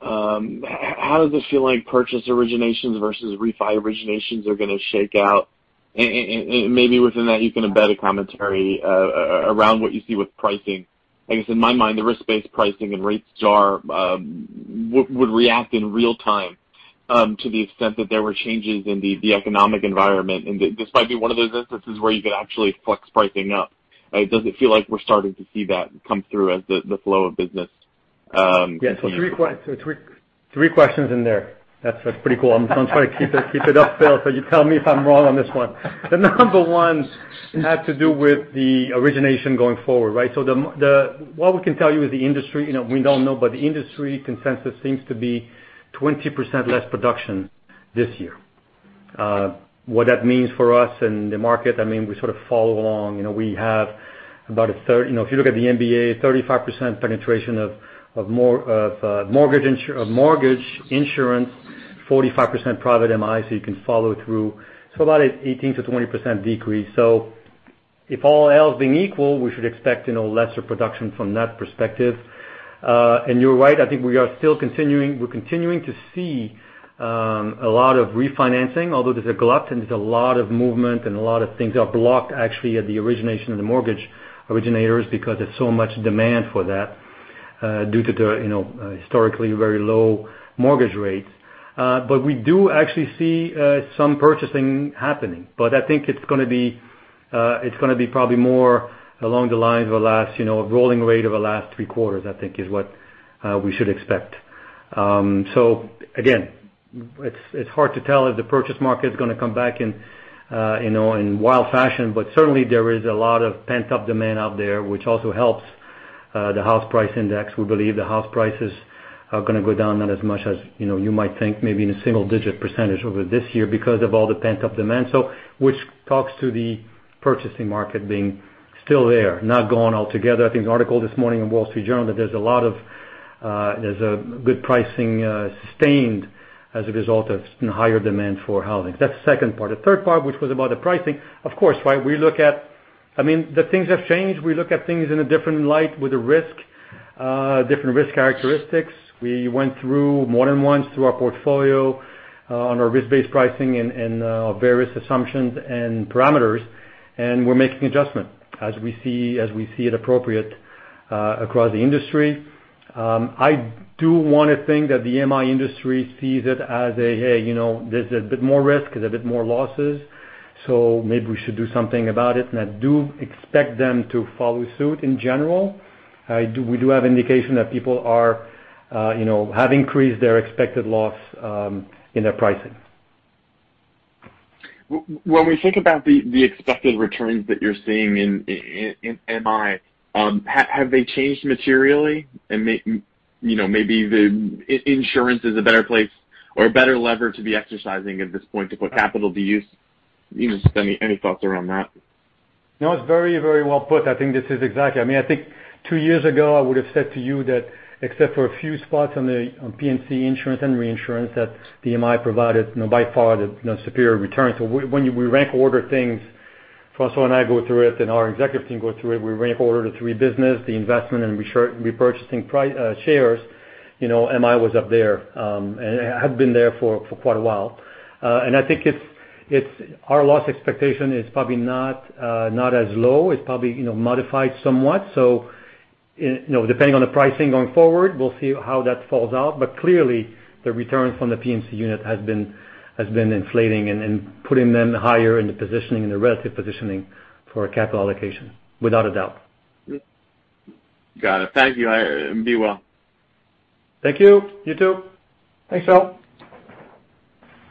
How does it feel like purchase originations versus refi originations are going to shake out? And maybe within that, you can embed a commentary around what you see with pricing. I guess in my mind, the risk-based pricing and rate shock would react in real time to the extent that there were changes in the economic environment. And this might be one of those instances where you could actually flex pricing up. Does it feel like we're starting to see that come through as the flow of business? Yeah. So three questions in there. That's pretty cool. I'm trying to keep it up, Phil, so you tell me if I'm wrong on this one. The number one had to do with the origination going forward, right? So what we can tell you is the industry we don't know, but the industry consensus seems to be 20% less production this year. What that means for us and the market, I mean, we sort of follow along. We have about a third if you look at the MBA, 35% penetration of mortgage insurance, 45% private MI, so you can follow through. So about an 18%-20% decrease. So if all else being equal, we should expect lesser production from that perspective. And you're right. I think we are still continuing to see a lot of refinancing, although there's a glut and there's a lot of movement and a lot of things are blocked, actually, at the origination of the mortgage originators because there's so much demand for that due to the historically very low mortgage rates. But we do actually see some purchasing happening. But I think it's going to be it's going to be probably more along the lines of a rolling rate of the last three quarters, I think, is what we should expect. So again, it's hard to tell if the purchase market is going to come back in wild fashion, but certainly, there is a lot of pent-up demand out there, which also helps the house price index. We believe the house prices are going to go down not as much as you might think, maybe in a single-digit percentage over this year because of all the pent-up demand, which talks to the purchasing market being still there, not gone altogether. I think there's an article this morning in Wall Street Journal that there's a lot of good pricing sustained as a result of higher demand for housing. So that's the second part. The third part, which was about the pricing, of course, right? We look at, I mean, the things have changed. We look at things in a different light with a risk, different risk characteristics. We went through more than once through our portfolio on our risk-based pricing and various assumptions and parameters, and we're making adjustments as we see it appropriate across the industry. I do want to think that the MI industry sees it as a, "Hey, there's a bit more risk, there's a bit more losses, so maybe we should do something about it." And I do expect them to follow suit in general. We do have indication that people have increased their expected loss in their pricing. When we think about the expected returns that you're seeing in MI, have they changed materially, and maybe insurance is a better place or a better lever to be exercising at this point to put capital to use. Any thoughts around that? No, it's very, very well put. I think this is exactly. I mean, I think two years ago, I would have said to you that, except for a few spots on P&C insurance and reinsurance, that the MI provided by far the superior returns. So when we rank order things, François and I go through it, and our executive team goes through it, we rank order the three business, the investment, and repurchasing shares, MI was up there and had been there for quite a while. And I think our loss expectation is probably not as low. It's probably modified somewhat. So depending on the pricing going forward, we'll see how that falls out. But clearly, the returns from the P&C unit have been inflating and putting them higher in the positioning, in the relative positioning for capital allocation, without a doubt. Got it. Thank you. Be well. Thank you. You too. Thanks, Phil.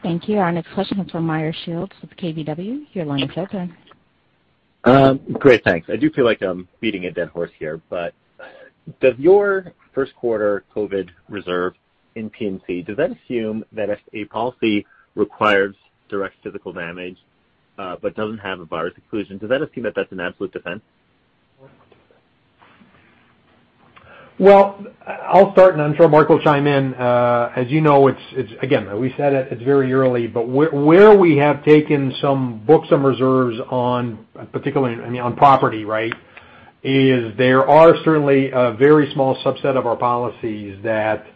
Thank you. Our next question is from Meyer Shields with KBW. Your line is open. Great. Thanks. I do feel like I'm beating a dead horse here, but does your first-quarter COVID reserve in P&C, does that assume that if a policy requires direct physical damage but doesn't have a virus exclusion, does that assume that that's an absolute defense? Well, I'll start, and I'm sure Marc will chime in. As you know, again, we said it's very early, but where we have taken some books and reserves on, particularly, I mean, on property, right, is there are certainly a very small subset of our policies that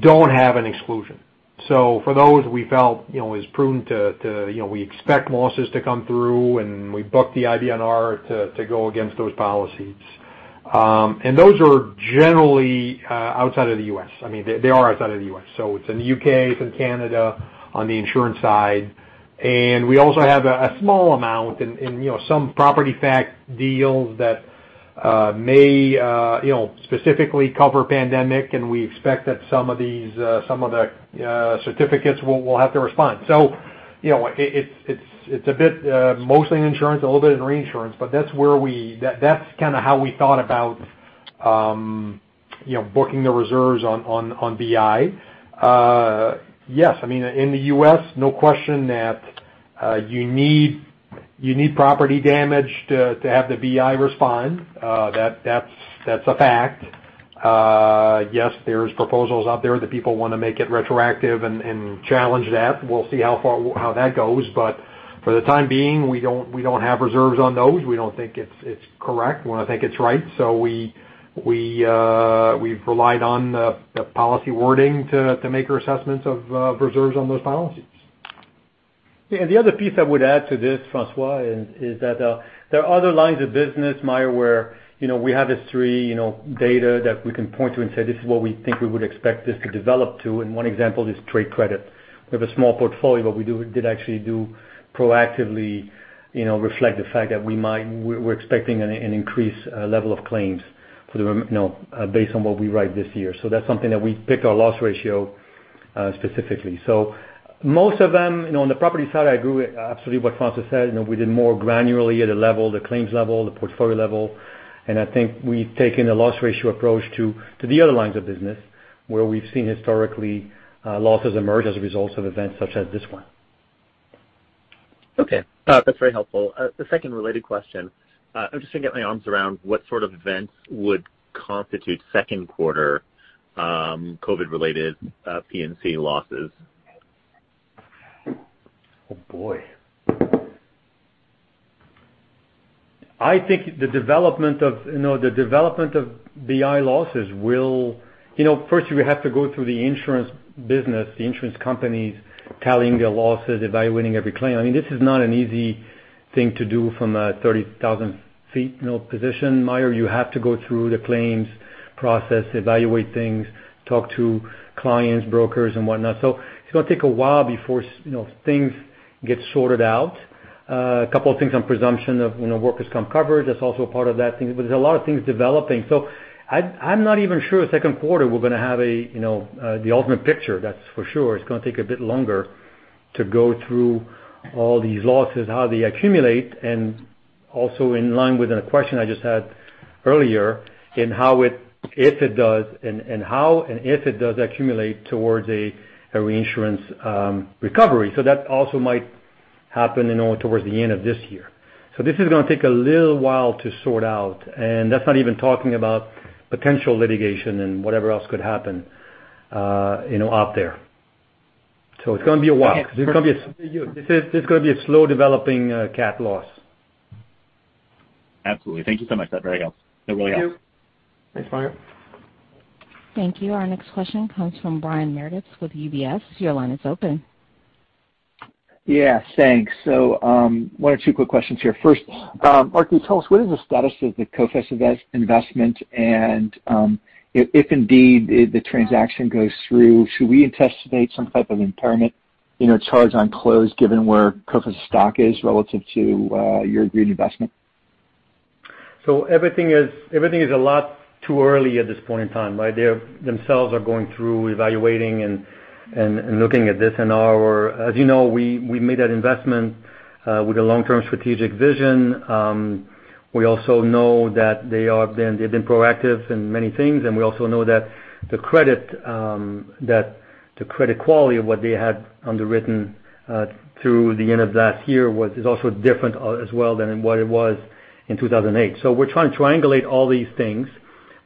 don't have an exclusion. So for those, we felt it was prudent to we expect losses to come through, and we booked the IBNR to go against those policies. And those are generally outside of the U.S. I mean, they are outside of the U.S. So it's in the U.K., it's in Canada on the insurance side. And we also have a small amount in some property fac deals that may specifically cover pandemic, and we expect that some of the certificates will have to respond. So it's a bit mostly in insurance, a little bit in reinsurance, but that's kind of how we thought about booking the reserves on BI. Yes. I mean, in the U.S., no question that you need property damage to have the BI respond. That's a fact. Yes, there are proposals out there that people want to make it retroactive and challenge that. We'll see how that goes. But for the time being, we don't have reserves on those. We don't think it's correct. We don't think it's right. So we've relied on the policy wording to make our assessments of reserves on those policies. The other piece I would add to this, François, is that there are other lines of business, Meyer, where we have this trend data that we can point to and say, "This is what we think we would expect this to develop to." One example is trade credit. We have a small portfolio, but we did actually proactively reflect the fact that we're expecting an increased level of claims based on what we write this year. That's something that we picked our loss ratio specifically. Most of them on the property side, I agree with absolutely what François said. We did more granularly at the level, the claims level, the portfolio level. I think we've taken a loss ratio approach to the other lines of business where we've seen historically losses emerge as a result of events such as this one. Okay. That's very helpful. The second related question, I'm just going to get my arms around what sort of events would constitute second-quarter COVID-related P&C losses. I think the development of the BI losses will first. We have to go through the insurance business, the insurance companies tallying their losses, evaluating every claim. I mean, this is not an easy thing to do from a 30,000-feet position, Meyer. You have to go through the claims process, evaluate things, talk to clients, brokers, and whatnot. So it's going to take a while before things get sorted out. A couple of things on presumption of workers' comp coverage, that's also part of that. But there's a lot of things developing. So I'm not even sure second quarter we're going to have the ultimate picture, that's for sure. It's going to take a bit longer to go through all these losses, how they accumulate, and also in line with the question I just had earlier in how it if it does and how and if it does accumulate towards a reinsurance recovery, so that also might happen towards the end of this year, so this is going to take a little while to sort out, and that's not even talking about potential litigation and whatever else could happen out there, so it's going to be a while. This is going to be a slow developing cat loss. Absolutely. Thank you so much. That very much helps. That really helps. Thank you. Thanks, Meyer. Thank you. Our next question comes from Brian Meredith with UBS. Your line is open. Yes. Thanks. So one or two quick questions here. First, Marc, can you tell us what is the status of the Coface investment? And if indeed the transaction goes through, should we anticipate some type of impairment charge on close, given where Coface stock is relative to your agreed investment? So everything is a lot too early at this point in time, right? They themselves are going through evaluating and looking at this. And as you know, we made that investment with a long-term strategic vision. We also know that they've been proactive in many things. And we also know that the credit quality of what they had underwritten through the end of last year is also different as well than what it was in 2008. So we're trying to triangulate all these things.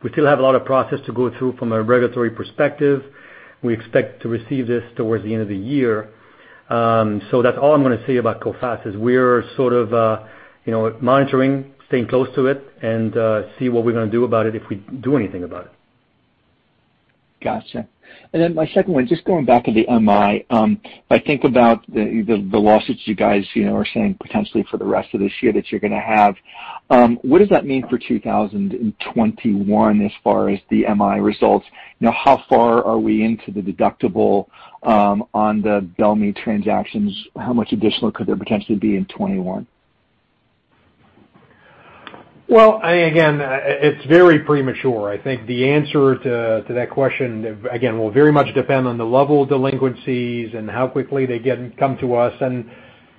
We still have a lot of process to go through from a regulatory perspective. We expect to receive this towards the end of the year. So that's all I'm going to say about Coface. We're sort of monitoring, staying close to it, and see what we're going to do about it if we do anything about it. Gotcha. And then my second one, just going back to the MI, if I think about the losses you guys are saying potentially for the rest of this year that you're going to have, what does that mean for 2021 as far as the MI results? How far are we into the deductible on the Bellemeade transactions? How much additional could there potentially be in 2021? Again, it's very premature. I think the answer to that question, again, will very much depend on the level of delinquencies and how quickly they come to us.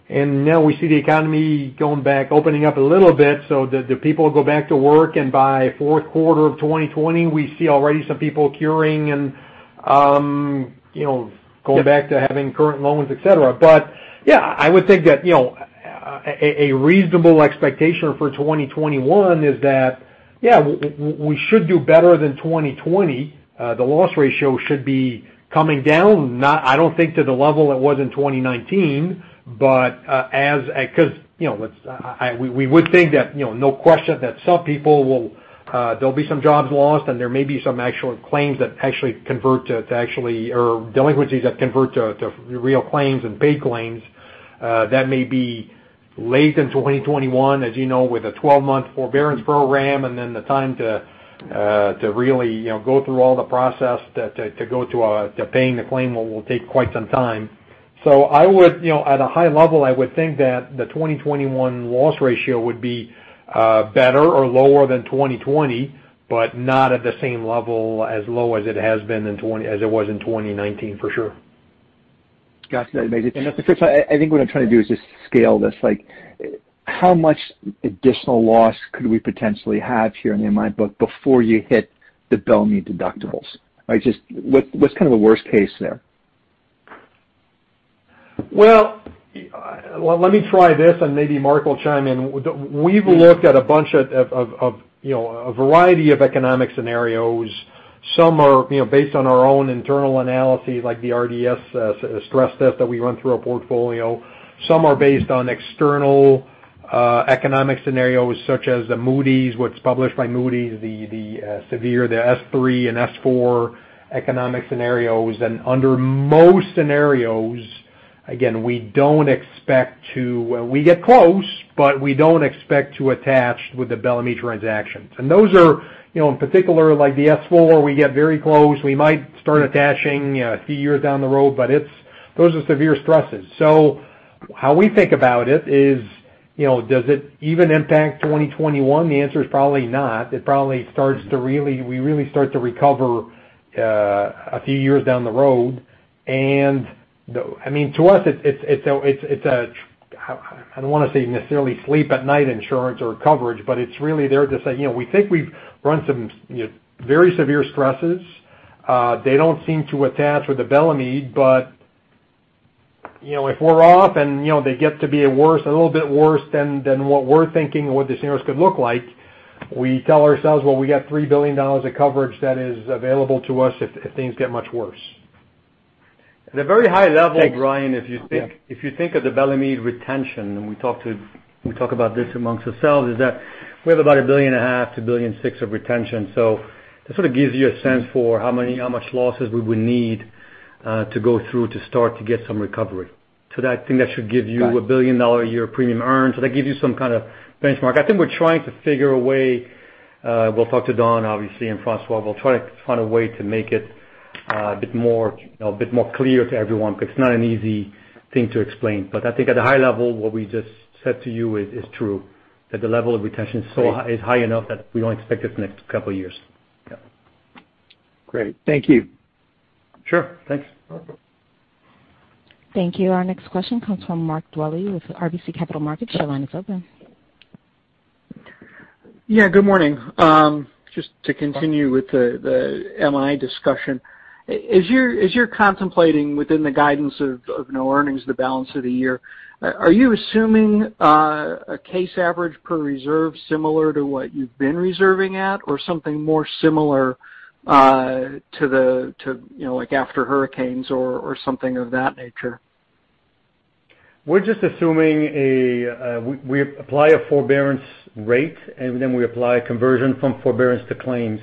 Now we see the economy going back, opening up a little bit. The people go back to work. By fourth quarter of 2020, we see already some people curing and going back to having current loans, etc. Yeah, I would think that a reasonable expectation for 2021 is that, yeah, we should do better than 2020. The loss ratio should be coming down. I don't think to the level it was in 2019, but because we would think that no question that some people will; there'll be some jobs lost, and there may be some actual claims that actually convert to actual or delinquencies that convert to real claims and paid claims. That may be late in 2021, as you know, with a 12-month forbearance program and then the time to really go through all the process to go to paying the claim will take quite some time. So at a high level, I would think that the 2021 loss ratio would be better or lower than 2020, but not at the same level as low as it was in 2019, for sure. Gotcha. And that's a good point. I think what I'm trying to do is just scale this. How much additional loss could we potentially have here in the MI book before you hit the Bellemeade deductibles? What's kind of the worst case there? Let me try this, and maybe Marc will chime in. We've looked at a bunch of a variety of economic scenarios. Some are based on our own internal analysis, like the RDS stress test that we run through our portfolio. Some are based on external economic scenarios such as the Moody's, what's published by Moody's, the S3 and S4 economic scenarios. And under most scenarios, again, we don't expect to get close, but we don't expect to attach with the Bellemeade transactions. And those are, in particular, like the S4, we get very close. We might start attaching a few years down the road, but those are severe stresses. So how we think about it is, does it even impact 2021? The answer is probably not. It probably starts to really recover a few years down the road. I mean, to us, it's a I don't want to say necessarily sleep-at-night insurance or coverage, but it's really there to say we think we've run some very severe stresses. They don't seem to attach with the Bellemeade, but if we're off and they get to be a little bit worse than what we're thinking what the scenarios could look like, we tell ourselves, "Well, we got $3 billion of coverage that is available to us if things get much worse." At a very high level, Brian, if you think of the Bellemeade retention, and we talk about this amongst ourselves, is that we have about $1.5 billion-$1.6 billion of retention. So that sort of gives you a sense for how much losses we would need to go through to start to get some recovery. I think that should give you a $1 billion-a-year premium earned. That gives you some kind of benchmark. I think we're trying to figure a way we'll talk to Don, obviously, and François. We'll try to find a way to make it a bit more clear to everyone because it's not an easy thing to explain. I think at a high level, what we just said to you is true, that the level of retention is high enough that we don't expect it for the next couple of years. Great. Thank you. Sure. Thanks. Thank you. Our next question comes from Mark Dwelle with RBC Capital Markets. Your line is open. Yeah. Good morning. Just to continue with the MI discussion, as you're contemplating within the guidance of no earnings the balance of the year, are you assuming a case average per reserve similar to what you've been reserving at or something more similar to after hurricanes or something of that nature? We're just assuming we apply a forbearance rate, and then we apply a conversion from forbearance to claims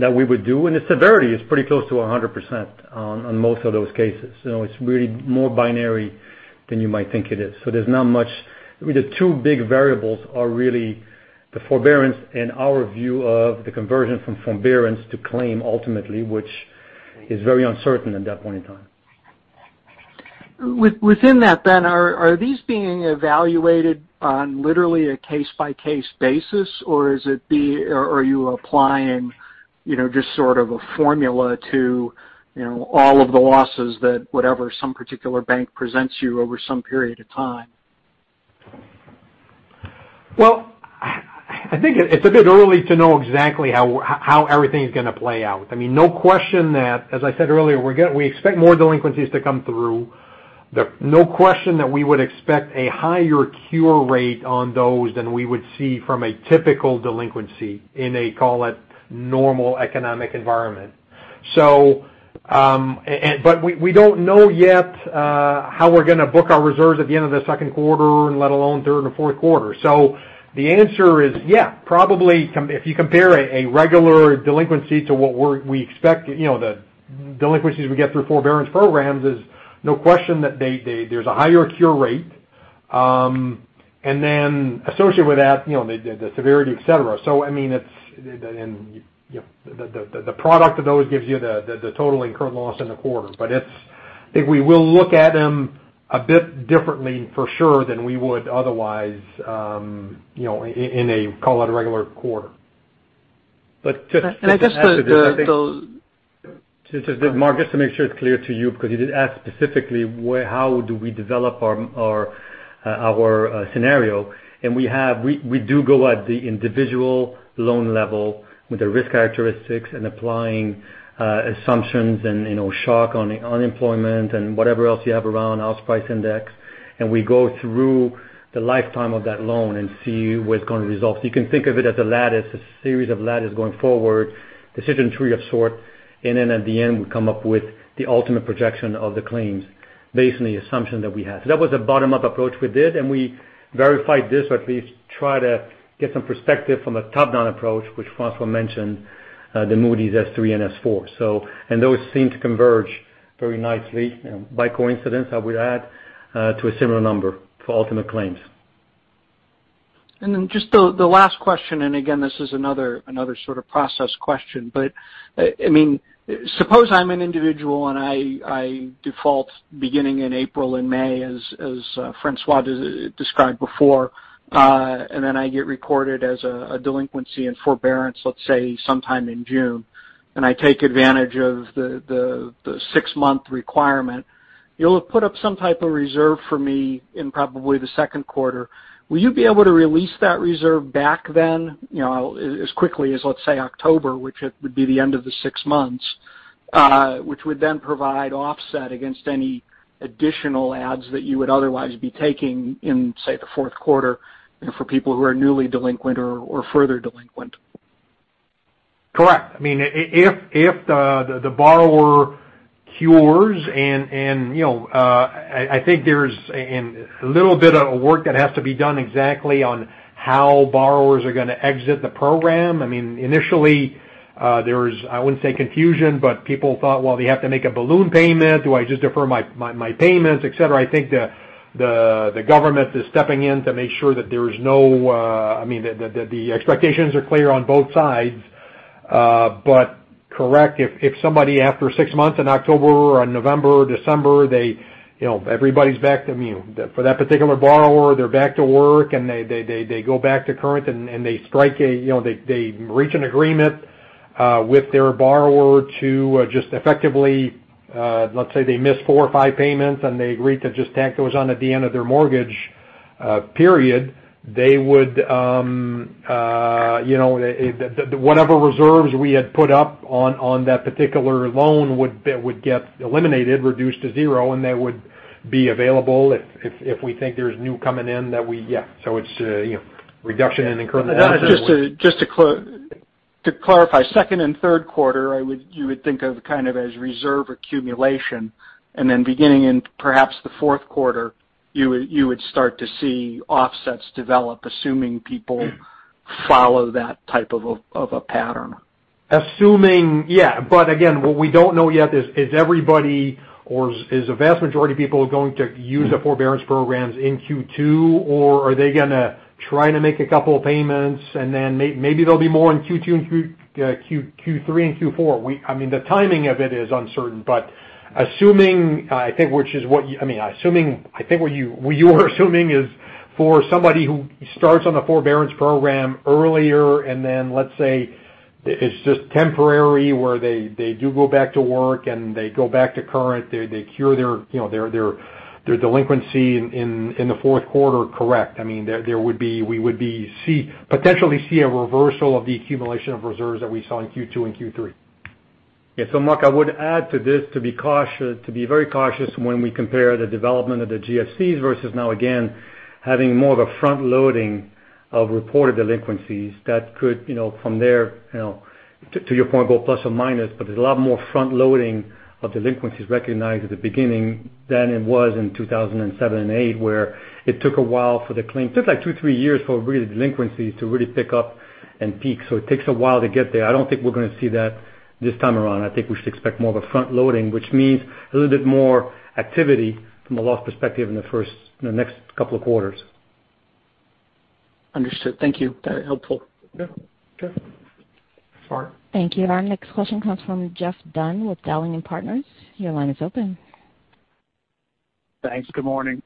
that we would do, and the severity is pretty close to 100% on most of those cases. It's really more binary than you might think it is, so there's not much, the two big variables are really the forbearance and our view of the conversion from forbearance to claim ultimately, which is very uncertain at that point in time. Within that, then, are these being evaluated on literally a case-by-case basis, or are you applying just sort of a formula to all of the losses that whatever some particular bank presents you over some period of time? I think it's a bit early to know exactly how everything is going to play out. I mean, no question that, as I said earlier, we expect more delinquencies to come through. No question that we would expect a higher cure rate on those than we would see from a typical delinquency in a, call it, normal economic environment. We don't know yet how we're going to book our reserves at the end of the second quarter, and let alone third and fourth quarter. The answer is, yeah, probably if you compare a regular delinquency to what we expect, the delinquencies we get through forbearance programs, there's no question that there's a higher cure rate. Associated with that, the severity, etc. I mean, the product of those gives you the total incurred loss in the quarter. But I think we will look at them a bit differently, for sure, than we would otherwise in a, call it, regular quarter. I guess the. Just to. Mark, just to make sure it's clear to you because you did ask specifically how do we develop our scenario. And we do go at the individual loan level with the risk characteristics and applying assumptions and shock on employment and whatever else you have around house price index. And we go through the lifetime of that loan and see what's going to result. So you can think of it as a ladder, a series of ladders going forward, decision tree of sort. And then at the end, we come up with the ultimate projection of the claims, based on the assumptions that we had. So that was a bottom-up approach we did. And we verified this or at least tried to get some perspective from a top-down approach, which François mentioned, the Moody's, S3, and S4. Those seem to converge very nicely, by coincidence, I would add, to a similar number for ultimate claims. Then just the last question. Again, this is another sort of process question. I mean, suppose I'm an individual and I default beginning in April and May, as François described before, and then I get recorded as a delinquency in forbearance, let's say, sometime in June, and I take advantage of the six-month requirement. You'll have put up some type of reserve for me in probably the second quarter. Will you be able to release that reserve back then as quickly as, let's say, October, which would be the end of the six months, which would then provide offset against any additional adds that you would otherwise be taking in, say, the fourth quarter for people who are newly delinquent or further delinquent? Correct. I mean, if the borrower cures, and I think there's a little bit of work that has to be done exactly on how borrowers are going to exit the program. I mean, initially, there was, I wouldn't say confusion, but people thought, "Well, they have to make a balloon payment. Do I just defer my payments, etc.?" I think the government is stepping in to make sure that there's no I mean, that the expectations are clear on both sides. But, correct, if somebody after six months in October or November or December, everybody's back for that particular borrower, they're back to work, and they go back to current, and they reach an agreement with their borrower to just effectively, let's say they miss four or five payments, and they agree to just tack those on at the end of their mortgage period, they would whatever reserves we had put up on that particular loan would get eliminated, reduced to zero, and they would be available if we think there's new coming in that we yeah. So it's reduction in incurred losses. Just to clarify, second and third quarter, you would think of kind of as reserve accumulation. And then beginning in perhaps the fourth quarter, you would start to see offsets develop, assuming people follow that type of a pattern. Assuming, yeah. But again, what we don't know yet is everybody or is a vast majority of people going to use the forbearance programs in Q2, or are they going to try to make a couple of payments, and then maybe there'll be more in Q2, Q3, and Q4? I mean, the timing of it is uncertain. But assuming, I think, which is what I mean, I think what you were assuming is for somebody who starts on a forbearance program earlier and then, let's say, it's just temporary where they do go back to work and they go back to current, they cure their delinquency in the fourth quarter, correct. I mean, we would potentially see a reversal of the accumulation of reserves that we saw in Q2 and Q3. Yeah. So Mark, I would add to this to be very cautious when we compare the development of the GSEs versus now, again, having more of a front-loading of reported delinquencies that could, from there, to your point, go plus or minus. But there's a lot more front-loading of delinquencies recognized at the beginning than it was in 2007 and 2008, where it took a while for the claim it took like two, three years for really delinquencies to really pick up and peak. So it takes a while to get there. I don't think we're going to see that this time around. I think we should expect more of a front-loading, which means a little bit more activity from a loss perspective in the next couple of quarters. Understood. Thank you. Very helpful. Sure. Sure. Thank you. Our next question comes from Geoff Dunn with Dowling & Partners. Your line is open. Thanks. Good morning.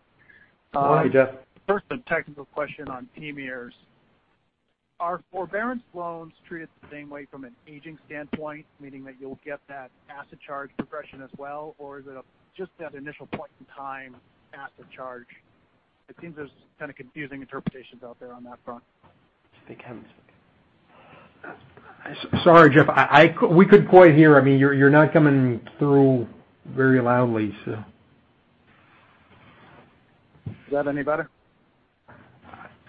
Good morning, Geoff. First, a technical question on PMIERs. Are forbearance loans treated the same way from an aging standpoint, meaning that you'll get that asset charge progression as well, or is it just that initial point-in-time asset charge? It seems there's kind of confusing interpretations out there on that front. Sorry, Geoff. We couldn't quite hear. I mean, you're not coming through very loudly, so. Is that any better?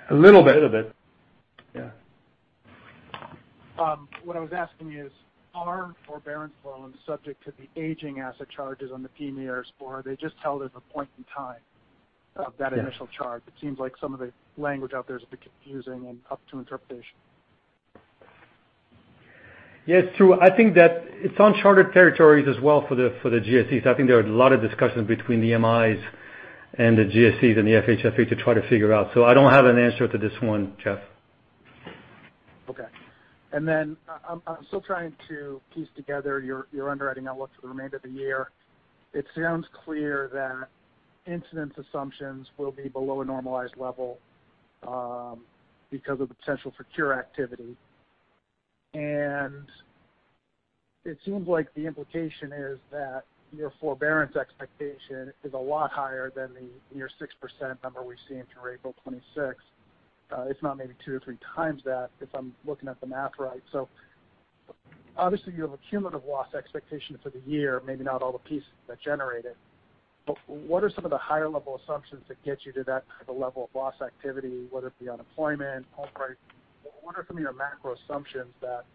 A little bit. A little bit. Yeah. What I was asking is, are forbearance loans subject to the aging asset charges on the PMIERs, or are they just held at the point in time of that initial charge? It seems like some of the language out there is a bit confusing and up to interpretation. Yeah. It's true. I think that it's on chartered territories as well for the GSEs. I think there are a lot of discussions between the MIs and the GSEs and the FHFA to try to figure out. So I don't have an answer to this one, Geoff. Okay. And then I'm still trying to piece together your underwriting outlook for the remainder of the year. It sounds clear that incidence assumptions will be below a normalized level because of the potential for cure activity. And it seems like the implication is that your forbearance expectation is a lot higher than the near 6% number we've seen through April 26. It's not maybe two or three times that if I'm looking at the math right. So obviously, you have a cumulative loss expectation for the year, maybe not all the pieces that generate it. But what are some of the higher-level assumptions that get you to that type of level of loss activity, whether it be unemployment, home price? What are some of your macro assumptions that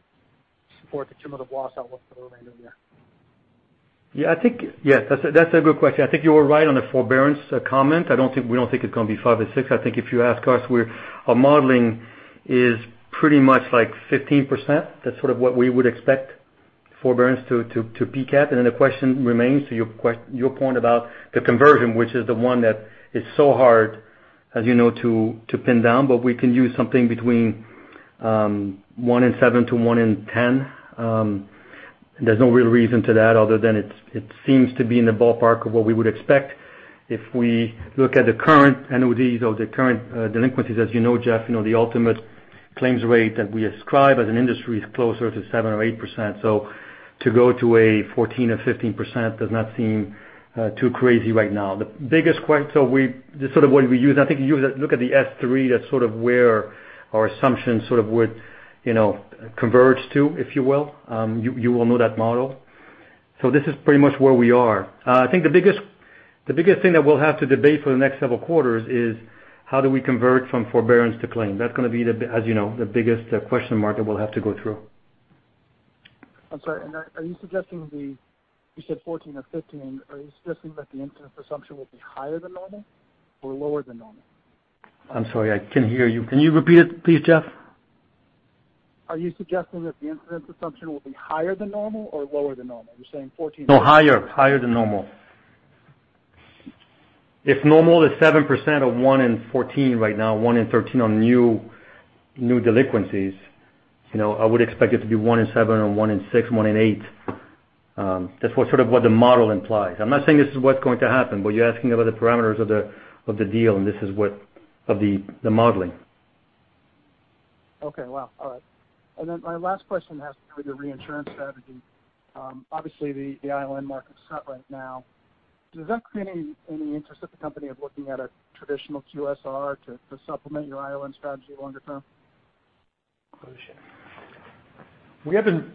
support the cumulative loss outlook for the remainder of the year? Yeah. Yeah. That's a good question. I think you were right on the forbearance comment. We don't think it's going to be five or six. I think if you ask us, our modeling is pretty much like 15%. That's sort of what we would expect forbearance to peak at. And then the question remains to your point about the conversion, which is the one that is so hard, as you know, to pin down. But we can use something between one and seven to one and 10. There's no real reason to that other than it seems to be in the ballpark of what we would expect. If we look at the current annuities or the current delinquencies, as you know, Geoff, the ultimate claims rate that we ascribe as an industry is closer to seven or eight percent. So to go to a 14% or 15% does not seem too crazy right now. The biggest question, so this is sort of what we use. I think you look at the S3, that's sort of where our assumptions sort of would converge to, if you will. You will know that model. So this is pretty much where we are. I think the biggest thing that we'll have to debate for the next several quarters is how do we convert from forbearance to claim. That's going to be, as you know, the biggest question mark that we'll have to go through. I'm sorry. And are you suggesting that you said 14% or 15%? Are you suggesting that the incidence assumption will be higher than normal or lower than normal? I'm sorry. I can't hear you. Can you repeat it, please, Geoff? Are you suggesting that the incidence assumption will be higher than normal or lower than normal? You're saying 14%. No, higher. Higher than normal. If normal is 7% or one in 14 right now, one in 13 on new delinquencies, I would expect it to be one in seven and one in six, one in eight. That's sort of what the model implies. I'm not saying this is what's going to happen, but you're asking about the parameters of the deal, and this is what the modeling. Okay. Wow. All right. And then my last question has to do with your reinsurance strategy. Obviously, the ILN market is hot right now. Does that create any interest at the company of looking at a traditional QSR to supplement your ILN strategy longer term? We haven't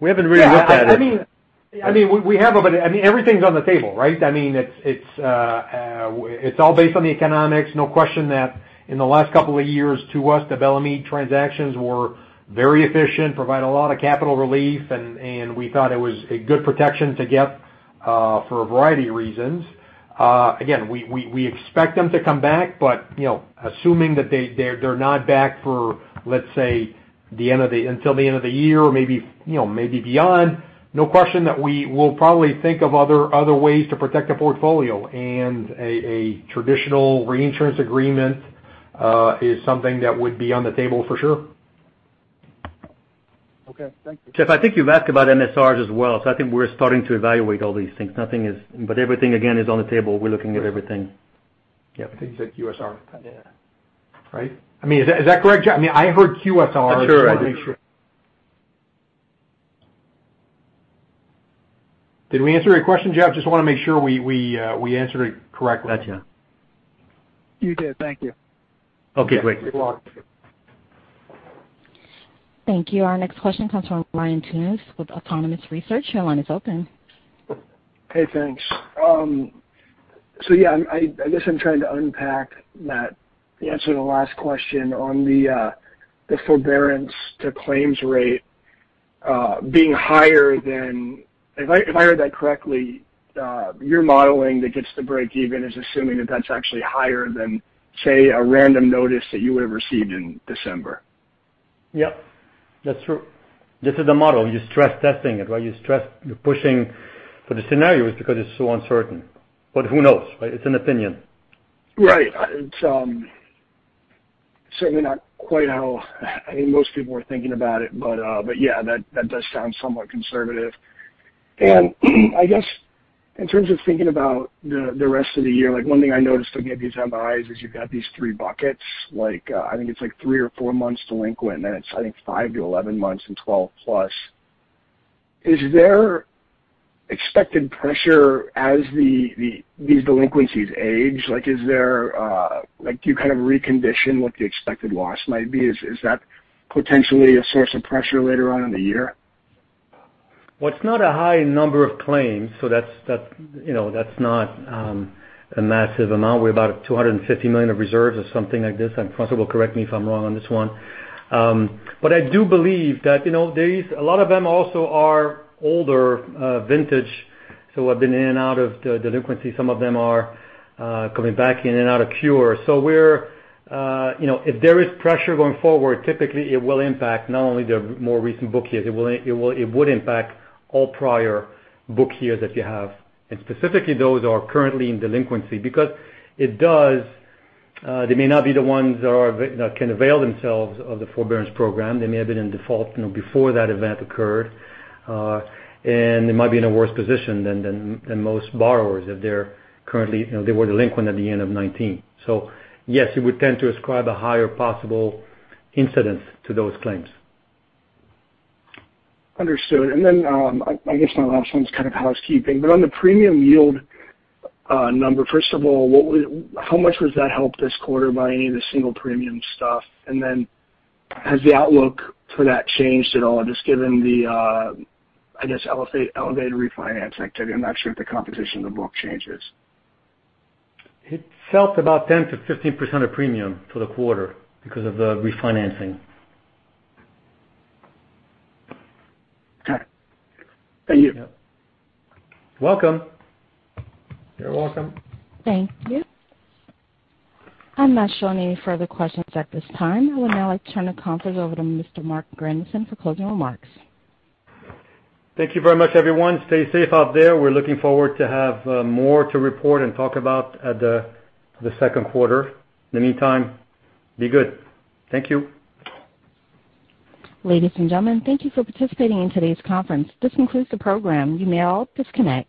really looked at it. I mean, we have, but I mean, everything's on the table, right? I mean, it's all based on the economics. No question that in the last couple of years, to us, the Bellemeade transactions were very efficient, provided a lot of capital relief, and we thought it was a good protection to get for a variety of reasons. Again, we expect them to come back, but assuming that they're not back for, let's say, until the end of the year or maybe beyond, no question that we will probably think of other ways to protect a portfolio. And a traditional reinsurance agreement is something that would be on the table for sure. Okay. Thank you. Geoff, I think you've asked about MSRs as well. So I think we're starting to evaluate all these things. But everything, again, is on the table. We're looking at everything. Yeah. I think you said QSR. Yeah. Right? I mean, is that correct, Geoff? I mean, I heard QSR. That's true. I just want to make sure. Did we answer your question, Geoff? Just want to make sure we answered it correctly. Gotcha. You did. Thank you. Okay. Great. Good luck. Thank you. Our next question comes from Ryan Tunis with Autonomous Research. Your line is open. Hey, thanks. So yeah, I guess I'm trying to unpack the answer to the last question on the forbearance to claims rate being higher than, if I heard that correctly, your modeling that gets the break-even is assuming that that's actually higher than, say, a random notice that you would have received in December. Yep. That's true. This is the model. You're stress-testing it, right? You're pushing for the scenarios because it's so uncertain. But who knows, right? It's an opinion. Right. It's certainly not quite how I think most people are thinking about it. But yeah, that does sound somewhat conservative. And I guess in terms of thinking about the rest of the year, one thing I noticed again these MIs is you've got these three buckets. I think it's like three or four months delinquent, and then it's, I think, 5 to 11 months and 12 plus. Is there expected pressure as these delinquencies age? Do you kind of recondition what the expected loss might be? Is that potentially a source of pressure later on in the year? It's not a high number of claims, so that's not a massive amount. We're about $250 million of reserves or something like this. And François correct me if I'm wrong on this one. But I do believe that a lot of them also are older vintage. So they've been in and out of the delinquency. Some of them are coming back in and out of cure. So if there is pressure going forward, typically, it will impact not only the more recent book years. It would impact all prior book years that you have. And specifically, those are currently in delinquency because they may not be the ones that can avail themselves of the forbearance program. They may have been in default before that event occurred. And they might be in a worse position than most borrowers if they were delinquent at the end of 2019. Yes, you would tend to ascribe a higher possible incidence to those claims. Understood. And then I guess my last one is kind of housekeeping. But on the premium yield number, first of all, how much was that helped this quarter by any of the single premium stuff? And then has the outlook for that changed at all, just given the, I guess, elevated refinance activity? I'm not sure if the composition of the book changes. It felt about 10%-15% of premium for the quarter because of the refinancing. Okay. Thank you. Welcome. You're welcome. Thank you. I'm not showing any further questions at this time. I would now like to turn the conference over to Mr. Marc Grandisson for closing remarks. Thank you very much, everyone. Stay safe out there. We're looking forward to have more to report and talk about the second quarter. In the meantime, be good. Thank you. Ladies and gentlemen, thank you for participating in today's conference. This concludes the program. You may all disconnect.